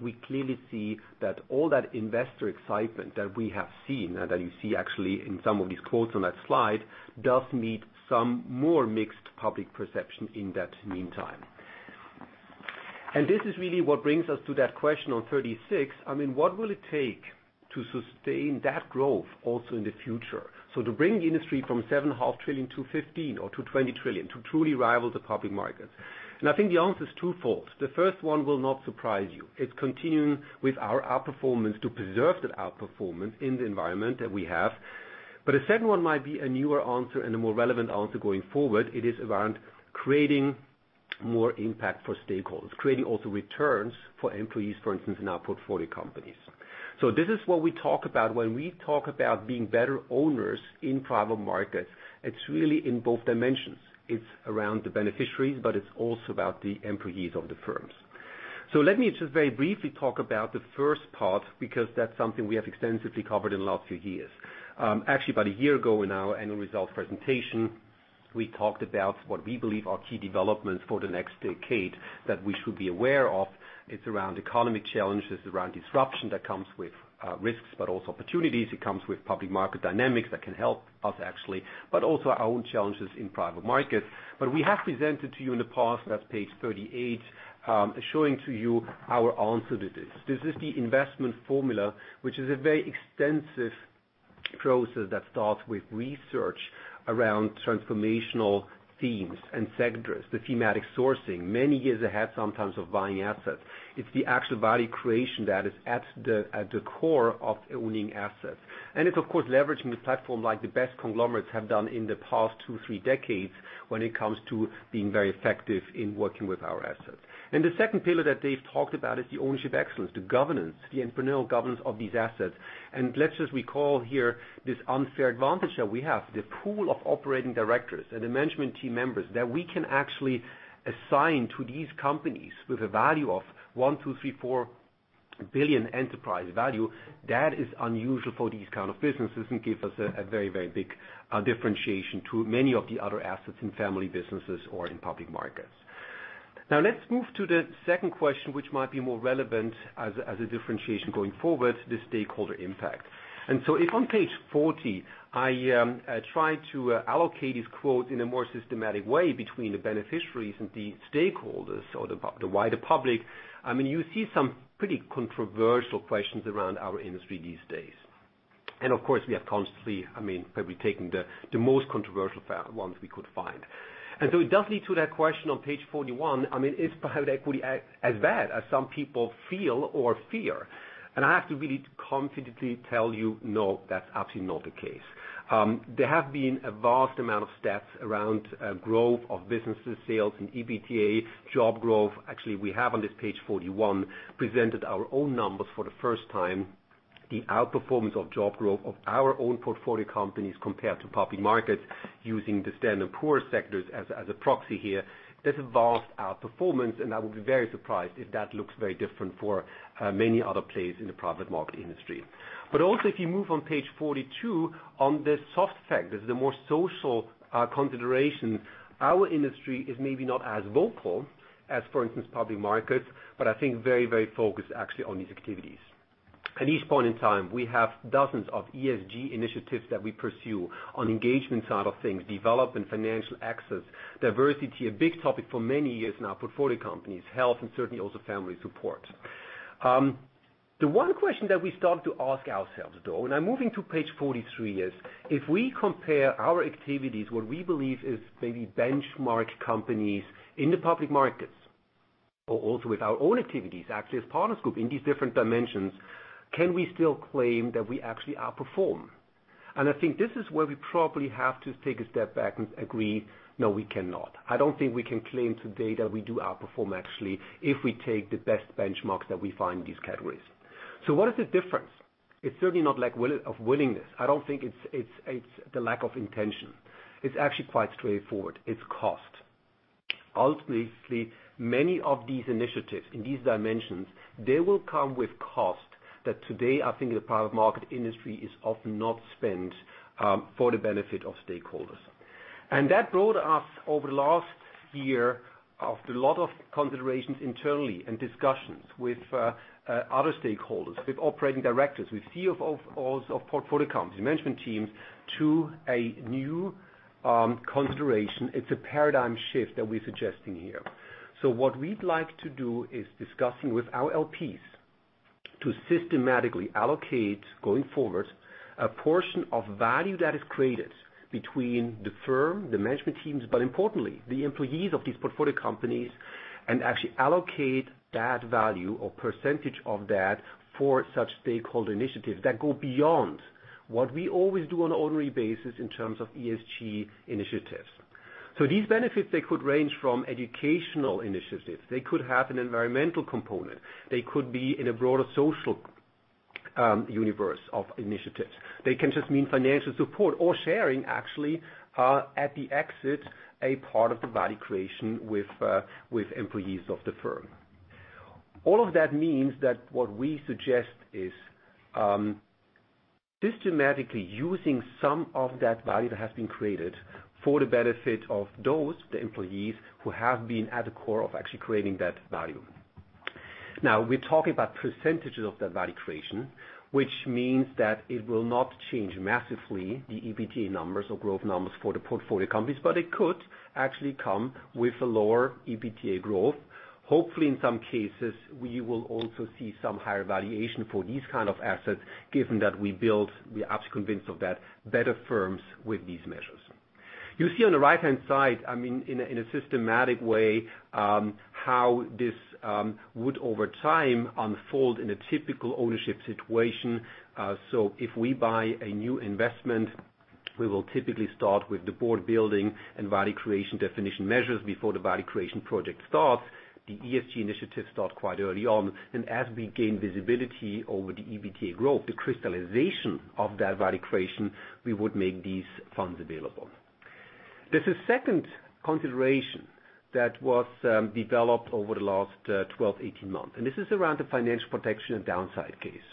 We clearly see that all that investor excitement that we have seen, and that you see actually in some of these quotes on that slide, does need some more mixed public perception in that meantime. This is really what brings us to that question on 36. What will it take to sustain that growth also in the future? To bring the industry from 7.5 Trillion to 15 trillion or to 20 trillion, to truly rival the public markets. I think the answer is twofold. The first one will not surprise you. It's continuing with our outperformance to preserve that outperformance in the environment that we have. A second one might be a newer answer and a more relevant answer going forward. It is around creating more impact for stakeholders. Creating also returns for employees, for instance, in our portfolio companies. This is what we talk about when we talk about being better owners in private markets. It's really in both dimensions. It's around the beneficiaries, but it's also about the employees of the firms. Let me just very briefly talk about the first part, because that's something we have extensively covered in the last few years. Actually, about a year ago in our annual results presentation, we talked about what we believe are key developments for the next decade that we should be aware of. It is around economic challenges, around disruption that comes with risks, but also opportunities. It comes with public market dynamics that can help us actually, but also our own challenges in private markets. We have presented to you in the past, that is page 38, showing to you our answer to this. This is the Investment Formula, which is a very extensive process that starts with research around transformational themes and sectors, the thematic sourcing, many years ahead sometimes of buying assets. It is the actual value creation that is at the core of owning assets. It's of course leveraging the platform like the best conglomerates have done in the past two, three decades when it comes to being very effective in working with our assets. The second pillar that Dave talked about is the ownership excellence, the governance, the entrepreneurial governance of these assets. Let's just recall here this unfair advantage that we have. The pool of operating directors and the management team members that we can actually assign to these companies with a value of 1 billion, 2 billion, 3 billion, 4 billion enterprise value, that is unusual for these kind of businesses and gives us a very big differentiation to many of the other assets in family businesses or in public markets. Let's move to the second question, which might be more relevant as a differentiation going forward, the stakeholder impact. If on page 40, I try to allocate these quotes in a more systematic way between the beneficiaries and the stakeholders or the wider public, you see some pretty controversial questions around our industry these days. Of course, we have constantly probably taken the most controversial ones we could find. It does lead to that question on page 41. Is private equity as bad as some people feel or fear? I have to really confidently tell you, no, that's absolutely not the case. There have been a vast amount of stats around growth of businesses, sales and EBITDA, job growth. Actually, we have on this page 41, presented our own numbers for the first time, the outperformance of job growth of our own portfolio companies compared to public markets using the Standard & Poor's sectors as a proxy here. That's a vast outperformance. I would be very surprised if that looks very different for many other players in the private market industry. Also, if you move on page 42 on the soft factors, the more social consideration, our industry is maybe not as vocal as, for instance, public markets, but I think very focused actually on these activities. At each point in time, we have dozens of ESG initiatives that we pursue on engagement side of things, development, financial access, diversity, a big topic for many years now, portfolio companies, health, and certainly also family support. The one question that we start to ask ourselves, though, I'm moving to page 43, is if we compare our activities, what we believe is maybe benchmark companies in the public markets, or also with our own activities, actually as Partners Group in these different dimensions, can we still claim that we actually outperform? I think this is where we probably have to take a step back and agree, no, we cannot. I don't think we can claim today that we do outperform actually if we take the best benchmarks that we find in these categories. What is the difference? It's certainly not of willingness. I don't think it's the lack of intention. It's actually quite straightforward. It's cost. Ultimately, many of these initiatives in these dimensions, they will come with cost that today I think the private market industry is often not spent for the benefit of stakeholders. That brought us over the last year after a lot of considerations internally and discussions with other stakeholders, with operating directors, with CEOs of portfolio companies, management teams, to a new consideration. It's a paradigm shift that we're suggesting here. What we'd like to do is discussing with our LPs to systematically allocate going forward a portion of value that is created between the firm, the management teams, but importantly, the employees of these portfolio companies, and actually allocate that value or percentage of that for such stakeholder initiatives that go beyond what we always do on ordinary basis in terms of ESG initiatives. These benefits, they could range from educational initiatives. They could have an environmental component. They could be in a broader social universe of initiatives. They can just mean financial support or sharing actually, at the exit, a part of the value creation with employees of the firm. All of that means that what we suggest is systematically using some of that value that has been created for the benefit of those, the employees, who have been at the core of actually creating that value. We're talking about percentage of that value creation, which means that it will not change massively the EBT numbers or growth numbers for the portfolio companies, but it could actually come with a lower EBT growth. Hopefully, in some cases, we will also see some higher valuation for these kind of assets, given that we build, we are absolutely convinced of that, better firms with these measures. You see on the right-hand side, in a systematic way, how this would, over time, unfold in a typical ownership situation. If we buy a new investment, we will typically start with the board building and value creation definition measures before the value creation project starts. The ESG initiatives start quite early on, and as we gain visibility over the EBT growth, the crystallization of that value creation, we would make these funds available. There's a second consideration that was developed over the last 12, 18 months, and this is around the financial protection and downside case.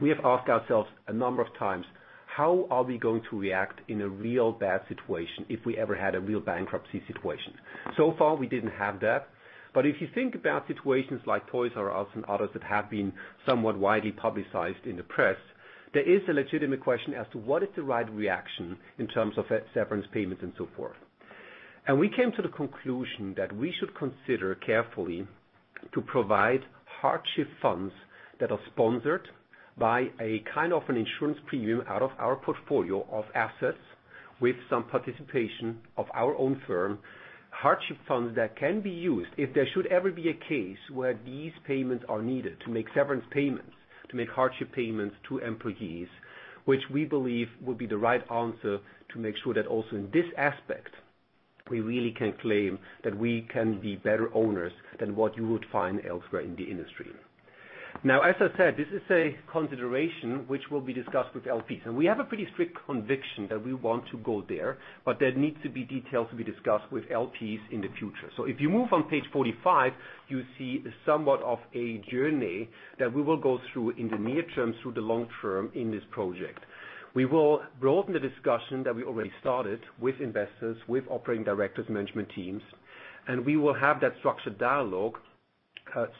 We have asked ourselves a number of times, how are we going to react in a real bad situation if we ever had a real bankruptcy situation? So far, we didn't have that. If you think about situations like Toys "R" Us and others that have been somewhat widely publicized in the press, there is a legitimate question as to what is the right reaction in terms of severance payments and so forth. We came to the conclusion that we should consider carefully to provide hardship funds that are sponsored by a kind of an insurance premium out of our portfolio of assets with some participation of our own firm. Hardship funds that can be used if there should ever be a case where these payments are needed to make severance payments, to make hardship payments to employees, which we believe would be the right answer, to make sure that also in this aspect, we really can claim that we can be better owners than what you would find elsewhere in the industry. As I said, this is a consideration which will be discussed with LPs. We have a pretty strict conviction that we want to go there, but there needs to be details to be discussed with LPs in the future. If you move on page 45, you see somewhat of a journey that we will go through in the near term, through the long term in this project. We will broaden the discussion that we already started with investors, with operating directors, management teams, and we will have that structured dialogue,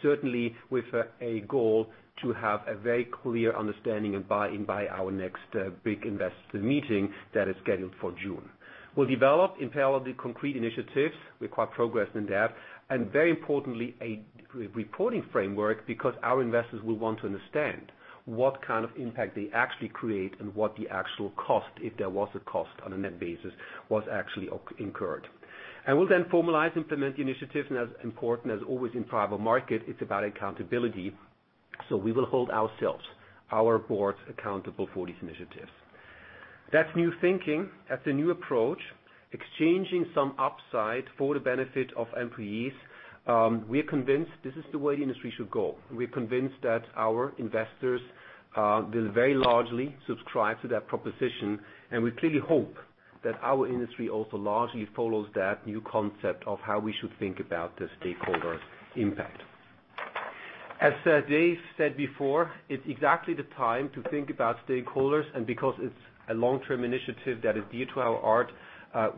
certainly with a goal to have a very clear understanding and buy-in by our next big investor meeting that is scheduled for June. We'll develop in parallel the concrete initiatives require progress in depth, very importantly, a reporting framework because our investors will want to understand what kind of impact they actually create and what the actual cost, if there was a cost on a net basis, was actually incurred. We'll then formalize, implement the initiatives, and as important as always in private market, it's about accountability. We will hold ourselves, our boards accountable for these initiatives. That's new thinking. That's a new approach, exchanging some upside for the benefit of employees. We are convinced this is the way the industry should go. We're convinced that our investors will very largely subscribe to that proposition, and we clearly hope that our industry also largely follows that new concept of how we should think about the stakeholder impact. As Dave said before, it's exactly the time to think about stakeholders, and because it's a long-term initiative that is dear to our heart,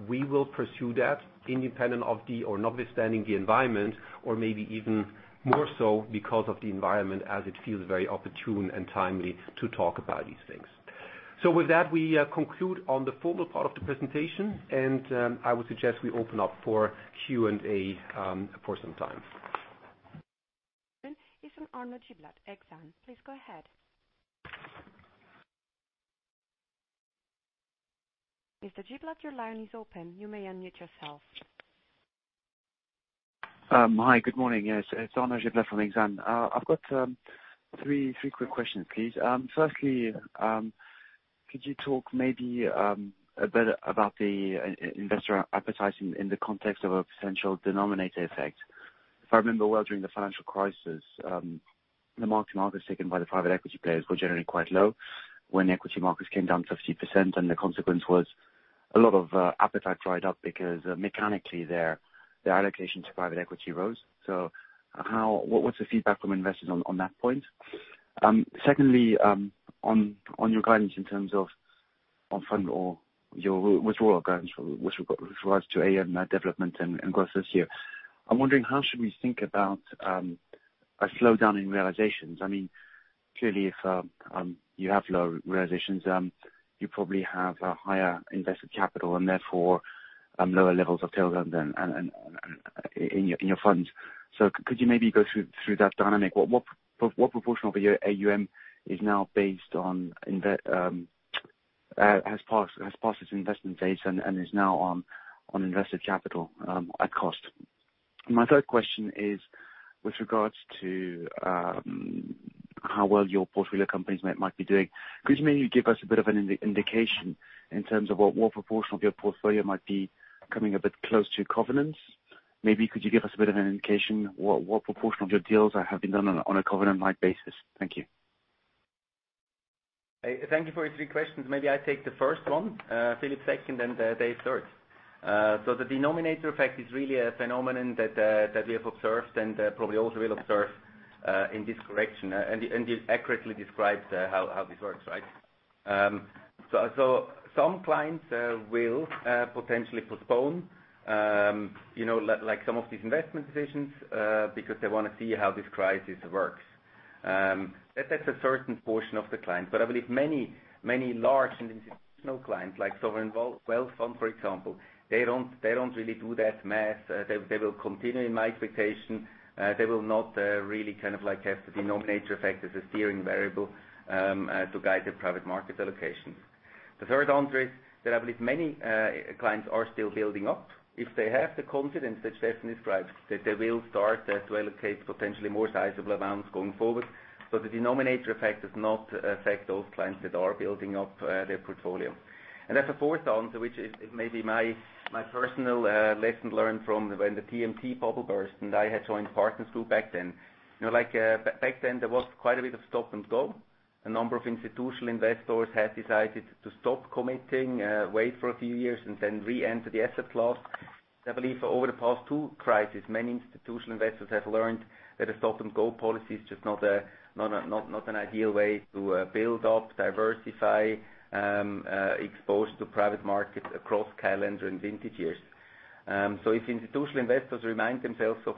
we will pursue that independent of the or notwithstanding the environment, or maybe even more so because of the environment as it feels very opportune and timely to talk about these things. With that, we conclude on the formal part of the presentation, and I would suggest we open up for Q&A for some time. Is on Arnaud Giblat, Exane. Please go ahead. Mr. Giblat, your line is open. You may unmute yourself. Hi, good morning. It's Arnaud Giblat from Exane. I've got three quick questions, please. Firstly, could you talk maybe a bit about the investor appetite in the context of a potential denominator effect? If I remember well during the financial crisis, the market share taken by the private equity players were generally quite low when equity markets came down 50%, and the consequence was a lot of appetite dried up because mechanically, their allocation to private equity rose. What's the feedback from investors on that point? Secondly, on your guidance in terms of on fund or your withdrawal guidance with regards to AUM development and growth this year. I'm wondering how should we think about a slowdown in realizations? Clearly, if you have low realizations, you probably have a higher invested capital and therefore lower levels of tail-downs in your funds. Could you maybe go through that dynamic? What proportion of your AUM has passed its investment phase and is now on invested capital at cost? My third question is with regards to how well your portfolio companies might be doing. Could you maybe give us a bit of an indication in terms of what proportion of your portfolio might be coming a bit close to covenants? Maybe could you give us a bit of an indication what proportion of your deals have been done on a covenant light basis? Thank you. Thank you for your three questions. Maybe I take the first one, Philip second, then Dave third. The denominator effect is really a phenomenon that we have observed and probably also will observe in this correction. You accurately described how this works, right? Some clients will potentially postpone some of these investment decisions because they want to see how this crisis works. That's a certain portion of the client. I believe many large institutional clients, like Sovereign Wealth Fund, for example, they don't really do that math. They will continue, in my expectation. They will not really have the denominator effect as a steering variable to guide their private market allocations. The third answer is that I believe many clients are still building up. If they have the confidence that Steffen described, that they will start to allocate potentially more sizable amounts going forward. The denominator effect does not affect those clients that are building up their portfolio. There's a fourth answer, which is maybe my personal lesson learned from when the TMT bubble burst, and I had joined Partners Group back then. Back then, there was quite a bit of stop and go. A number of institutional investors had decided to stop committing, wait for a few years, and then reenter the asset class. I believe over the past two crises, many institutional investors have learned that a stop-and-go policy is just not an ideal way to build up, diversify exposure to private markets across calendar and vintage years. If institutional investors remind themselves of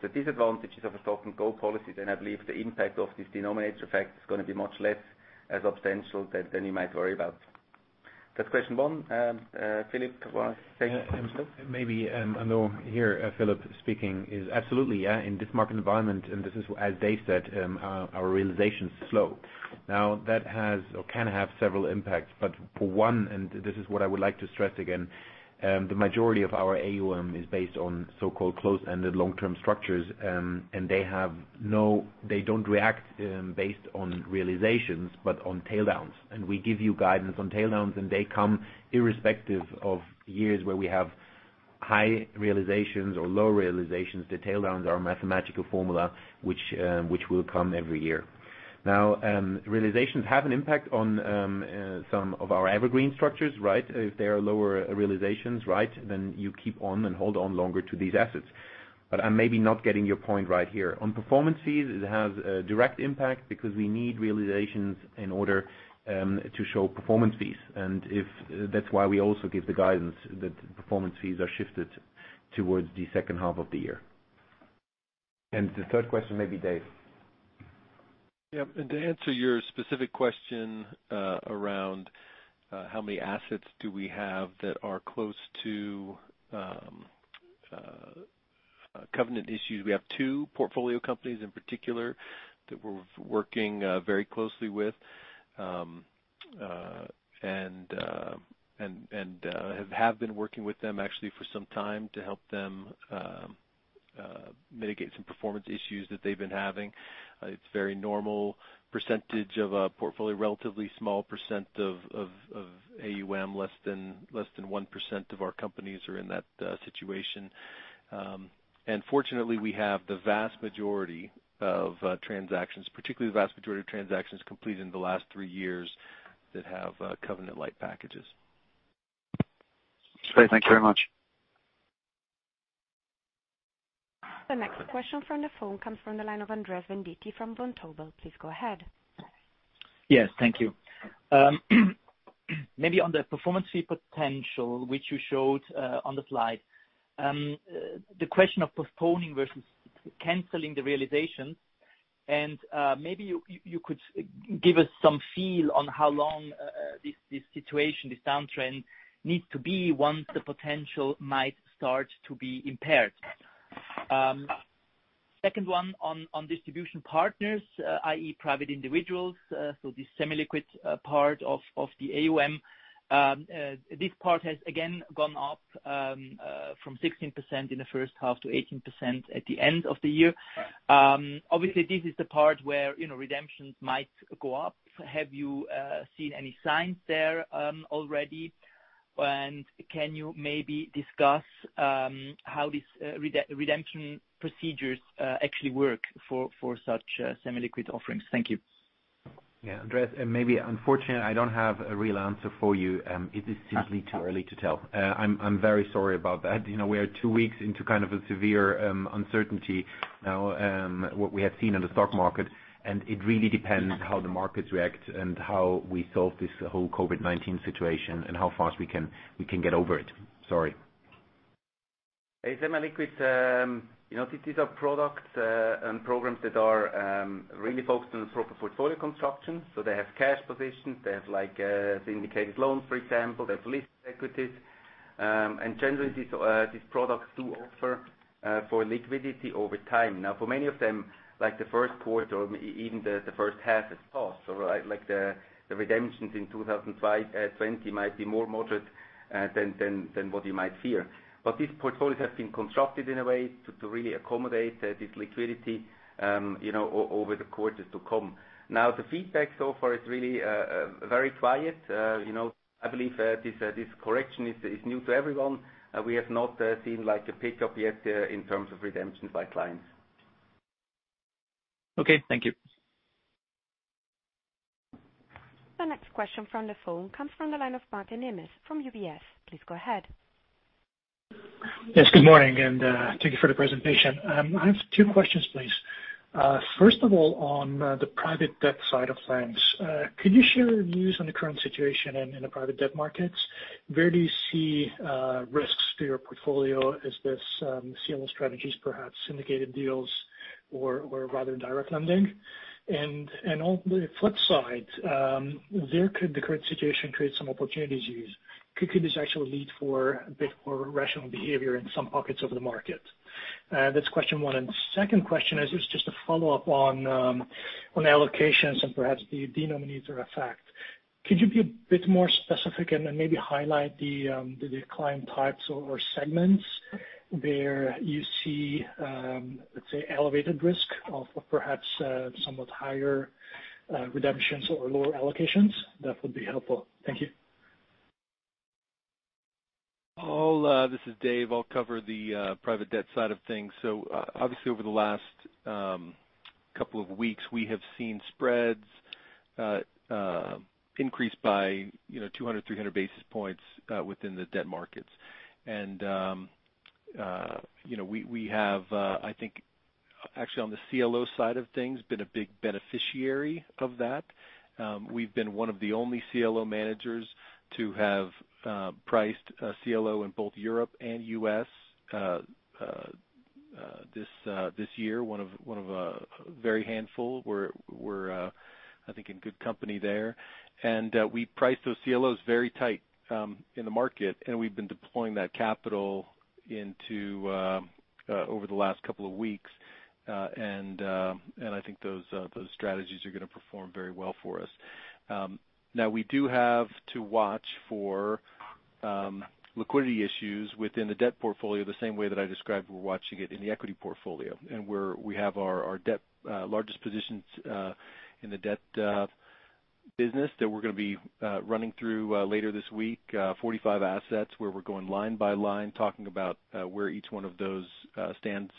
the disadvantages of a stop-and-go policy, then I believe the impact of this denominator effect is going to be much less substantial than you might worry about. That's question one. Philip go ahead. Philip speaking, is absolutely, yeah, in this market environment, this is, as Dave said, our realizations slow. That has or can have several impacts. For one, and this is what I would like to stress again, the majority of our AUM is based on so-called closed-ended long-term structures, and they don't react based on realizations, but on tail-downs. We give you guidance on tail-downs, and they come irrespective of years where we have high realizations or low realizations. The tail-downs are a mathematical formula which will come every year. Realizations have an impact on some of our evergreen structures, right? If there are lower realizations, then you keep on and hold on longer to these assets. I'm maybe not getting your point right here. On performance fees, it has a direct impact because we need realizations in order to show performance fees. That's why we also give the guidance that performance fees are shifted towards the H2 of the year. The third question may be Dave. To answer your specific question around how many assets do we have that are close to covenant issues, we have two portfolio companies in particular that we're working very closely with, and have been working with them actually for some time to help them mitigate some performance issues that they've been having. It's very normal percentage of a portfolio, relatively small percent of AUM. Less than 1% of our companies are in that situation. Fortunately, we have the vast majority of transactions, particularly the vast majority of transactions completed in the last three years that have covenant light packages. [inaudible] thank you very much. The next question from the phone comes from the line of Andreas Venditti from Vontobel. Please go ahead. Yes, thank you. Maybe on the performance fee potential which you showed on the slide. The question of postponing versus canceling the realization, and maybe you could give us some feel on how long this situation, this downtrend needs to be once the potential might start to be impaired. Second one on distribution partners, i.e., private individuals, so the semi-liquid part of the AUM. This part has again gone up from 16% in the H1 to 18% at the end of the year. Obviously, this is the part where redemptions might go up. Have you seen any signs there already? Can you maybe discuss how these redemption procedures actually work for such semi-liquid offerings? Thank you. Yeah, Andreas, maybe unfortunately, I don't have a real answer for you. It is simply too early to tell. I'm very sorry about that. We are two weeks into kind of a severe uncertainty now, what we have seen in the stock market. It really depends how the markets react and how we solve this whole COVID-19 situation and how fast we can get over it. Sorry. Hey, semi-liquid, these are products and programs that are really focused on proper portfolio construction. They have cash positions, they have syndicated loans, for example, they have listed equities. Generally, these products do offer for liquidity over time. For many of them, like the Q1 or even the H1 is lost. The redemptions in 2020 might be more moderate than what you might fear. These portfolios have been constructed in a way to really accommodate this liquidity over the quarters to come. The feedback so far is really very quiet. I believe this correction is new to everyone. We have not seen a pickup yet in terms of redemptions by clients. Okay, thank you. The next question from the phone comes from the line of Mate Nemes from UBS. Please go ahead. Yes, good morning. Thank you for the presentation. I have two questions, please. First of all, on the private debt side of things. Could you share your views on the current situation in the private debt markets? Where do you see risks to your portfolio? Is this CLO strategies, perhaps syndicated deals or rather direct lending? On the flip side, where could the current situation create some opportunities you use? Could this actually lead for a bit more rational behavior in some pockets of the market? That's question one. The second question is just a follow-up on allocations and perhaps the denominator effect. Could you be a bit more specific and then maybe highlight the client types or segments where you see, let's say, elevated risk of perhaps somewhat higher redemptions or lower allocations? That would be helpful. Thank you. This is Dave. I'll cover the private debt side of things. Obviously over the last couple of weeks, we have seen spreads increase by 200, 300 basis points within the debt markets. We have, I think, actually on the CLO side of things, been a big beneficiary of that. We've been one of the only CLO managers to have priced CLO in both Europe and U.S. this year. One of a very handful. We're I think in good company there. We priced those CLOs very tight in the market, and we've been deploying that capital over the last couple of weeks. I think those strategies are going to perform very well for us. We do have to watch for liquidity issues within the debt portfolio, the same way that I described we're watching it in the equity portfolio. We have our largest positions in the debt business that we're going to be running through later this week, 45 assets where we're going line by line, talking about where each one of those stands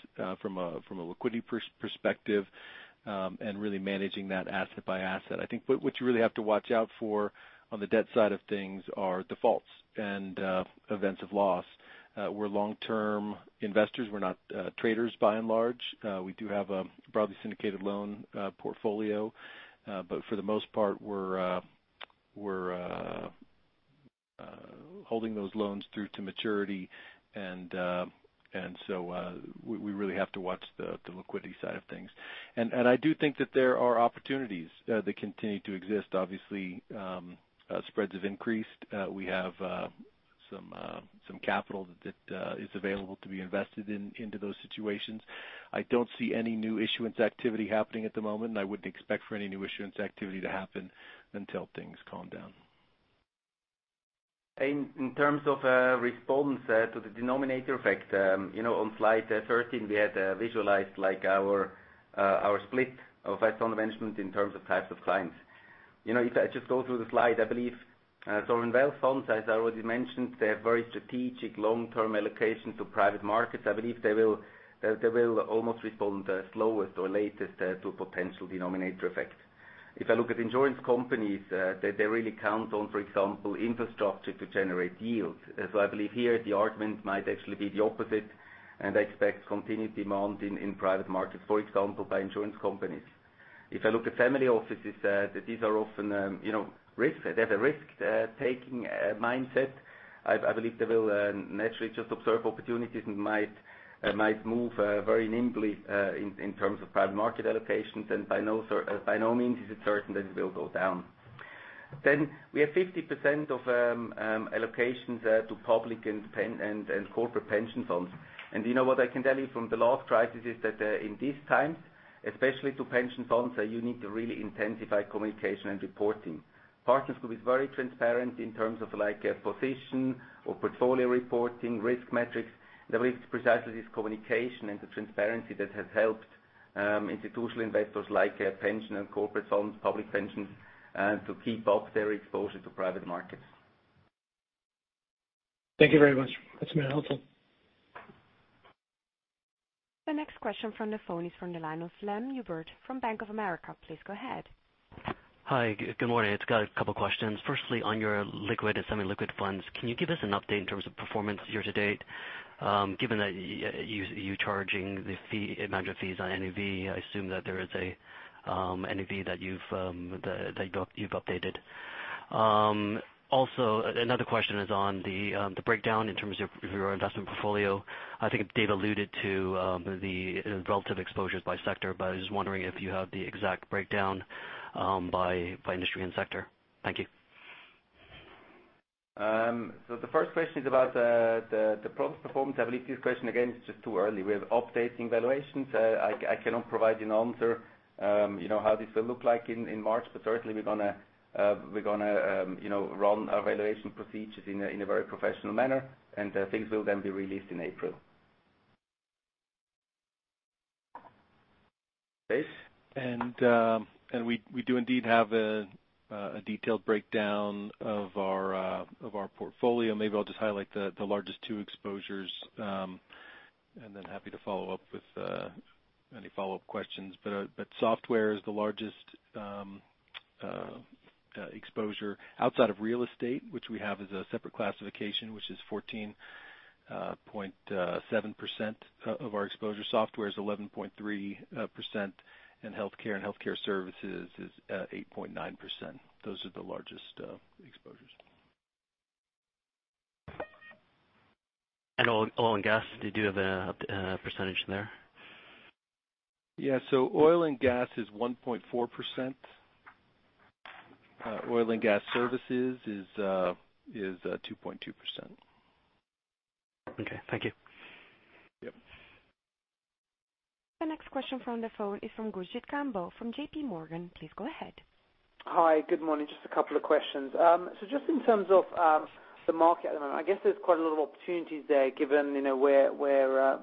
from a liquidity perspective, and really managing that asset by asset. I think what you really have to watch out for on the debt side of things are defaults and events of loss. We're long-term investors. We're not traders by and large. We do have a broadly syndicated loan portfolio. For the most part, we're holding those loans through to maturity. We really have to watch the liquidity side of things. I do think that there are opportunities that continue to exist. Obviously, spreads have increased. We have some capital that is available to be invested into those situations. I don't see any new issuance activity happening at the moment, and I wouldn't expect for any new issuance activity to happen until things calm down. In terms of response to the denominator effect, on slide 13, we had visualized our split of asset management in terms of types of clients. If I just go through the slide, I believe Sovereign Wealth Funds, as I already mentioned, they have very strategic long-term allocation to private markets. I believe they will almost respond slowest or latest to a potential denominator effect. If I look at insurance companies, they really count on, for example, infrastructure to generate yield. I believe here the argument might actually be the opposite, and I expect continued demand in private markets, for example, by insurance companies. If I look at family offices, these are often risk. They have a risk-taking mindset. I believe they will naturally just observe opportunities and might move very nimbly in terms of private market allocations, and by no means is it certain that it will go down. We have 50% of allocations to public and corporate pension funds. You know what I can tell you from the last crisis is that in these times, especially to pension funds, you need to really intensify communication and reporting. Partners Group is very transparent in terms of position or portfolio reporting, risk metrics. I believe precisely it's communication and the transparency that has helped institutional investors like pension and corporate funds, public pensions, to keep up their exposure to private markets. Thank you very much. That's been helpful. The next question from the phone is from the line of Lam Hubert from Bank of America. Please go ahead. Hi, good morning. Just got a couple of questions. Firstly, on your liquid and semi-liquid funds, can you give us an update in terms of performance year to date? Given that you charging the amount of fees on AUM, I assume that there is a AUM that you've updated. Also, another question is on the breakdown in terms of your investment portfolio. I think Dave alluded to the relative exposures by sector, but I was just wondering if you have the exact breakdown by industry and sector. Thank you. The first question is about the product performance. I believe this question, again, it is just too early. We are updating valuations. I cannot provide an answer how this will look like in March, but certainly we are going to run our valuation procedures in a very professional manner, and things will then be released in April. Dave? We do indeed have a detailed breakdown of our portfolio. Maybe I'll just highlight the largest two exposures. Then happy to follow up with any follow-up questions. Software is the largest exposure outside of real estate, which we have as a separate classification, which is 14.7% of our exposure. Software is 11.3%, and healthcare and healthcare services is at 8.9%. Those are the largest exposures. Oil and gas, do you have a percentage there? Yeah. Oil and gas is 1.4%. Oil and gas services is 2.2%. Okay. Thank you. Yep. The next question from the phone is from Gurjit Kambo from JPMorgan. Please go ahead. Hi. Good morning. Just a couple of questions. Just in terms of the market at the moment, I guess there's quite a lot of opportunities there given where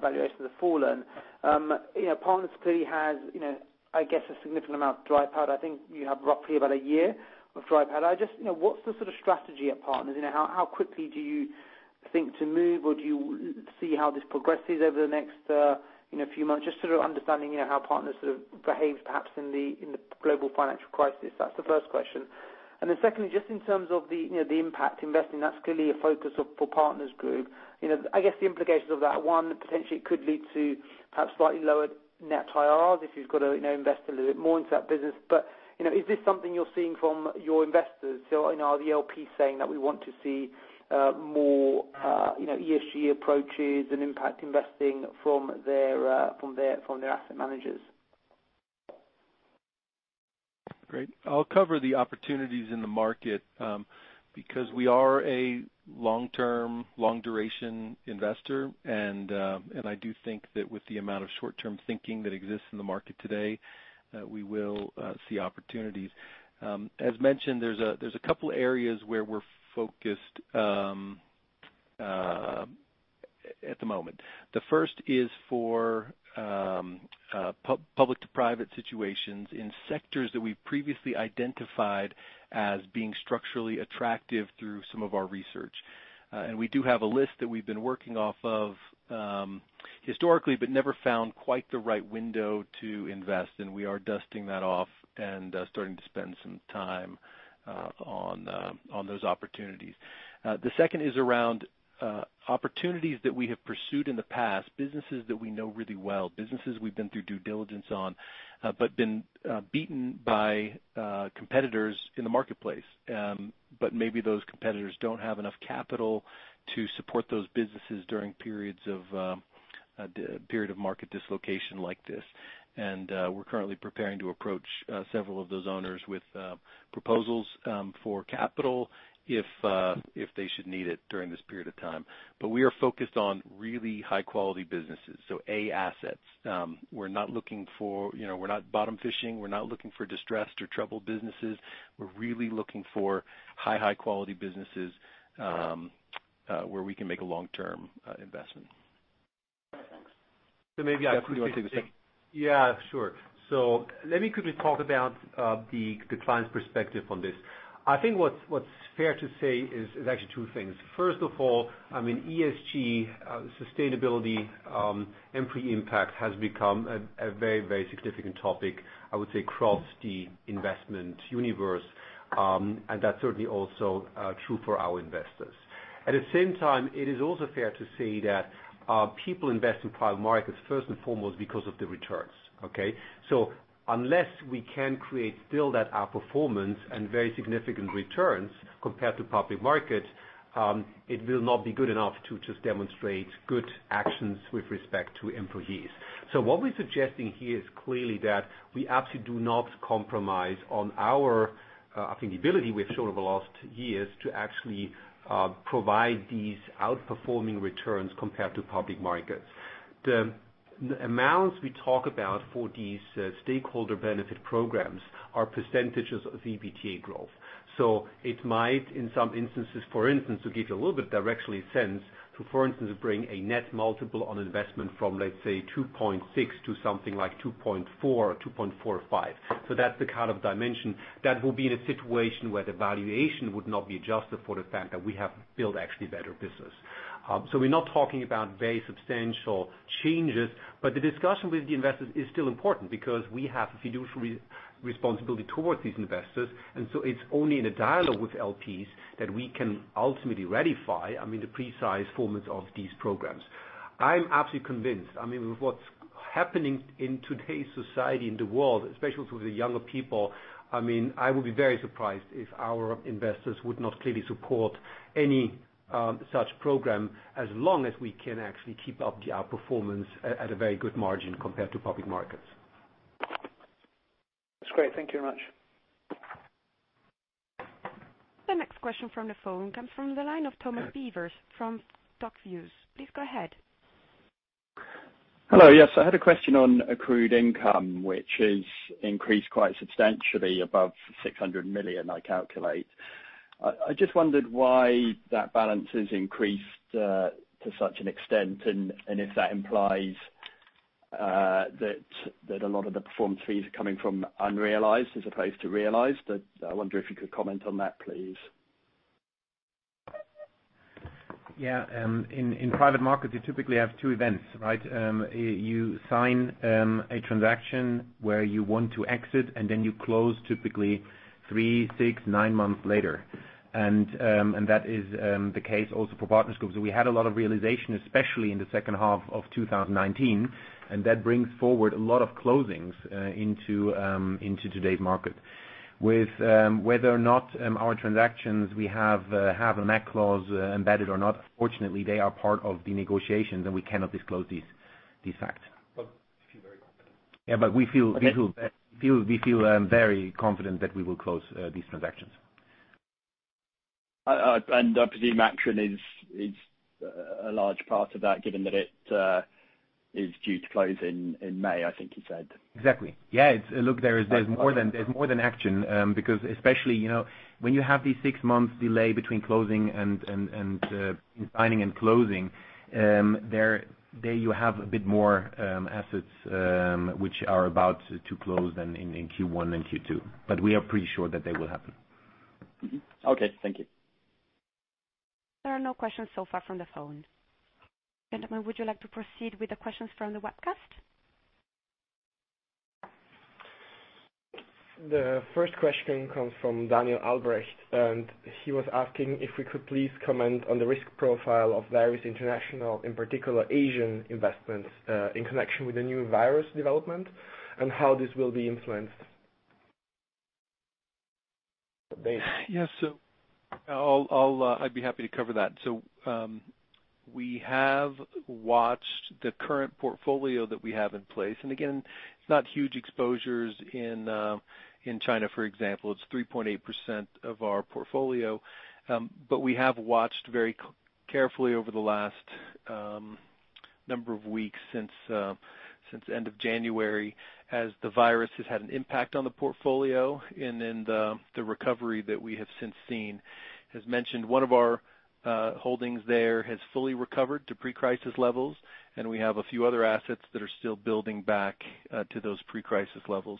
valuations have fallen. Partners clearly has, I guess, a significant amount of dry powder. I think you have roughly about a year of dry powder. Just what's the sort of strategy at Partners? How quickly do you think to move, or do you see how this progresses over the next few months? Just sort of understanding how Partners sort of behaves, perhaps in the global financial crisis. That's the first question. Secondly, just in terms of the impact investing, that's clearly a focus for Partners Group. I guess the implications of that, one, potentially it could lead to perhaps slightly lower net IRRs if you've got to invest a little bit more into that business. Is this something you're seeing from your investors? Are the LPs saying that we want to see more ESG approaches and impact investing from their asset managers? Great. I'll cover the opportunities in the market. We are a long-term, long-duration investor, and I do think that with the amount of short-term thinking that exists in the market today, we will see opportunities. As mentioned, there's a couple areas where we're focused at the moment. The first is for public to private situations in sectors that we've previously identified as being structurally attractive through some of our research. We do have a list that we've been working off of historically, but never found quite the right window to invest. We are dusting that off and starting to spend some time on those opportunities. The second is around opportunities that we have pursued in the past, businesses that we know really well, businesses we've been through due diligence on but been beaten by competitors in the marketplace. Maybe those competitors don't have enough capital to support those businesses during a period of market dislocation like this. We're currently preparing to approach several of those owners with proposals for capital if they should need it during this period of time. We are focused on really high-quality businesses, so A assets. We're not bottom fishing. We're not looking for distressed or troubled businesses. We're really looking for high-quality businesses where we can make a long-term investment. Thanks. Do you want to take this? Yeah, sure. Let me quickly talk about the client's perspective on this. I think what's fair to say is actually two things. First of all, ESG, sustainability, and pre-impact has become a very significant topic, I would say, across the investment universe. That's certainly also true for our investors. At the same time, it is also fair to say that people invest in private markets first and foremost because of the returns. Okay? Unless we can create still that outperformance and very significant returns compared to public markets, it will not be good enough to just demonstrate good actions with respect to employees. What we're suggesting here is clearly that we absolutely do not compromise on our ability we've shown over the last years to actually provide these outperforming returns compared to public markets. The amounts we talk about for these stakeholder benefit programs are percentage of EBITDA growth. It might, in some instances, for instance, to give you a little bit directionally sense to, for instance, bring a net multiple on investment from, let's say, 2.6% to something like 2.4% or 2.45%. That's the kind of dimension that will be in a situation where the valuation would not be adjusted for the fact that we have built actually better business. We're not talking about very substantial changes, but the discussion with the investors is still important because we have a fiduciary responsibility towards these investors. It's only in a dialogue with LPs that we can ultimately ratify the precise formats of these programs. I'm absolutely convinced with what's happening in today's society, in the world, especially with the younger people, I would be very surprised if our investors would not clearly support any such program as long as we can actually keep up the outperformance at a very good margin compared to public markets. That's great. Thank you very much. The next question from the phone comes from the line of Thomas Beaver from [StockViews]. Please go ahead. Hello. Yes, I had a question on accrued income, which has increased quite substantially above 600 million, I calculate. I just wondered why that balance has increased to such an extent and if that implies that a lot of the performance fees are coming from unrealized as opposed to realized. I wonder if you could comment on that, please. Yeah. In private markets, you typically have two events, right? You sign a transaction where you want to exit, then you close typically three, six, nine months later. That is the case also for Partners Group. We had a lot of realization, especially in the H2 of 2019, that brings forward a lot of closings into today's market. With whether or not our transactions we have a MAC clause embedded or not. Unfortunately, they are part of the negotiations, and we cannot disclose these facts. You feel very confident? Yeah. We feel very confident that we will close these transactions. I presume Action is a large part of that, given that it is due to close in May, I think you said. Exactly. Yeah. Look, there's more than Action. Especially, when you have these six months delay between signing and closing, there you have a bit more assets which are about to close than in Q1 and Q2. We are pretty sure that they will happen. Okay. Thank you. There are no questions so far from the phone. Gentlemen, would you like to proceed with the questions from the webcast? The first question comes from Daniel Albrecht. He was asking if we could please comment on the risk profile of various international, in particular Asian investments, in connection with the new virus development and how this will be influenced. Dave? Yes. I'd be happy to cover that. We have watched the current portfolio that we have in place, and again, it's not huge exposures in China, for example. It's 3.8% of our portfolio. We have watched very carefully over the last number of weeks since end of January as the virus has had an impact on the portfolio and in the recovery that we have since seen. As mentioned, one of our holdings there has fully recovered to pre-crisis levels, and we have a few other assets that are still building back to those pre-crisis levels.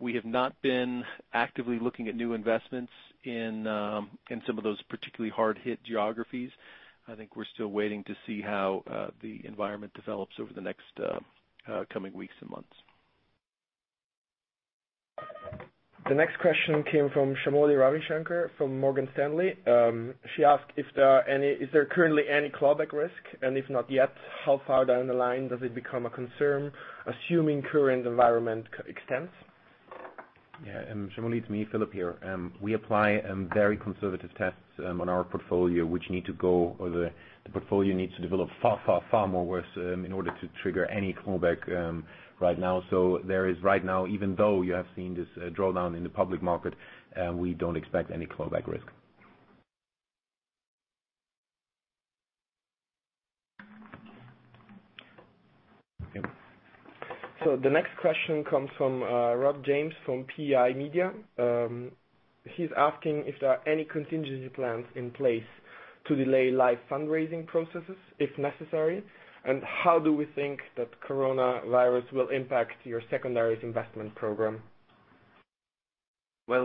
We have not been actively looking at new investments in some of those particularly hard hit geographies. I think we're still waiting to see how the environment develops over the next coming weeks and months. The next question came from [Sharmila Ravi Shankar] from Morgan Stanley. She asked is there currently any clawback risk? If not yet, how far down the line does it become a concern, assuming current environment extends? Yeah. [Sharmila], it's me, Philip, here. We apply very conservative tests on our portfolio, which the portfolio needs to develop far more worse in order to trigger any clawback right now. There is right now, even though you have seen this drawdown in the public market, we don't expect any clawback risk. Yep. The next question comes from Rod James from PEI Media. He's asking if there are any contingency plans in place to delay live fundraising processes if necessary, and how do we think that coronavirus will impact your secondaries investment program? Well,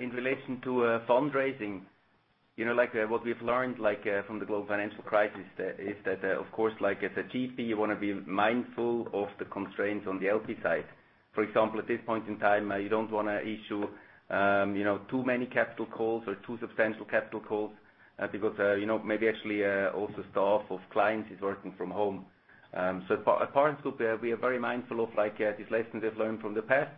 in relation to fundraising, what we've learned from the global financial crisis is that, of course, as a GP, you want to be mindful of the constraints on the LP side. For example, at this point in time, you don't want to issue too many capital calls or too substantial capital calls because maybe actually also staff of clients is working from home. At Partners Group, we are very mindful of these lessons we've learned from the past.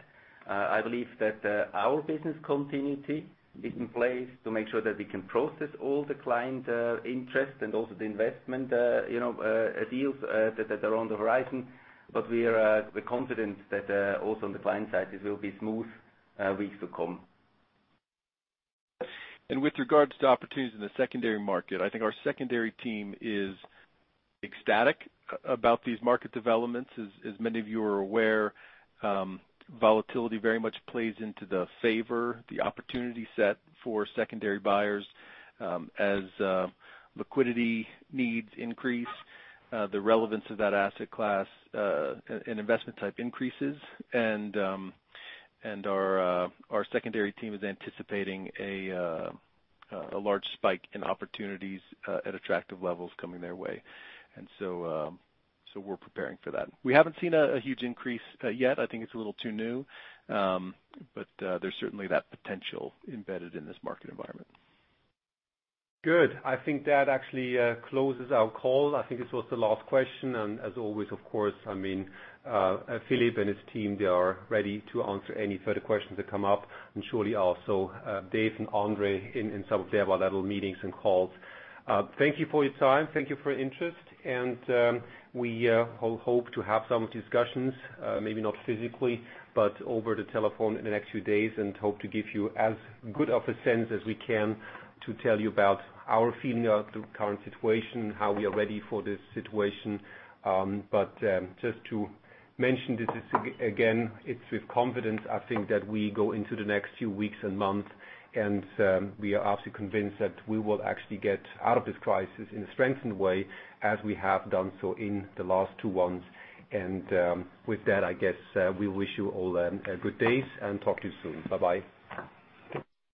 I believe that our business continuity is in place to make sure that we can process all the client interest and also the investment deals that are on the horizon. We're confident that also on the client side it will be smooth weeks to come. With regards to opportunities in the secondary market, I think our secondary team is ecstatic about these market developments. As many of you are aware, volatility very much plays into the favor, the opportunity set for secondary buyers. As liquidity needs increase, the relevance of that asset class and investment type increases. Our secondary team is anticipating a large spike in opportunities at attractive levels coming their way. We're preparing for that. We haven't seen a huge increase yet. I think it's a little too new. There's certainly that potential embedded in this market environment. Good. I think that actually closes our call. I think this was the last question. As always, of course, Philip and his team, they are ready to answer any further questions that come up, and surely also Dave and André in some of their bilateral meetings and calls. Thank you for your time. Thank you for your interest. We hope to have some discussions, maybe not physically, but over the telephone in the next few days and hope to give you as good of a sense as we can to tell you about our feeling of the current situation, how we are ready for this situation. Just to mention this again, it's with confidence, I think, that we go into the next few weeks and months. We are absolutely convinced that we will actually get out of this crisis in a strengthened way as we have done so in the last two ones. With that, I guess we wish you all good days, and talk to you soon. Bye-bye.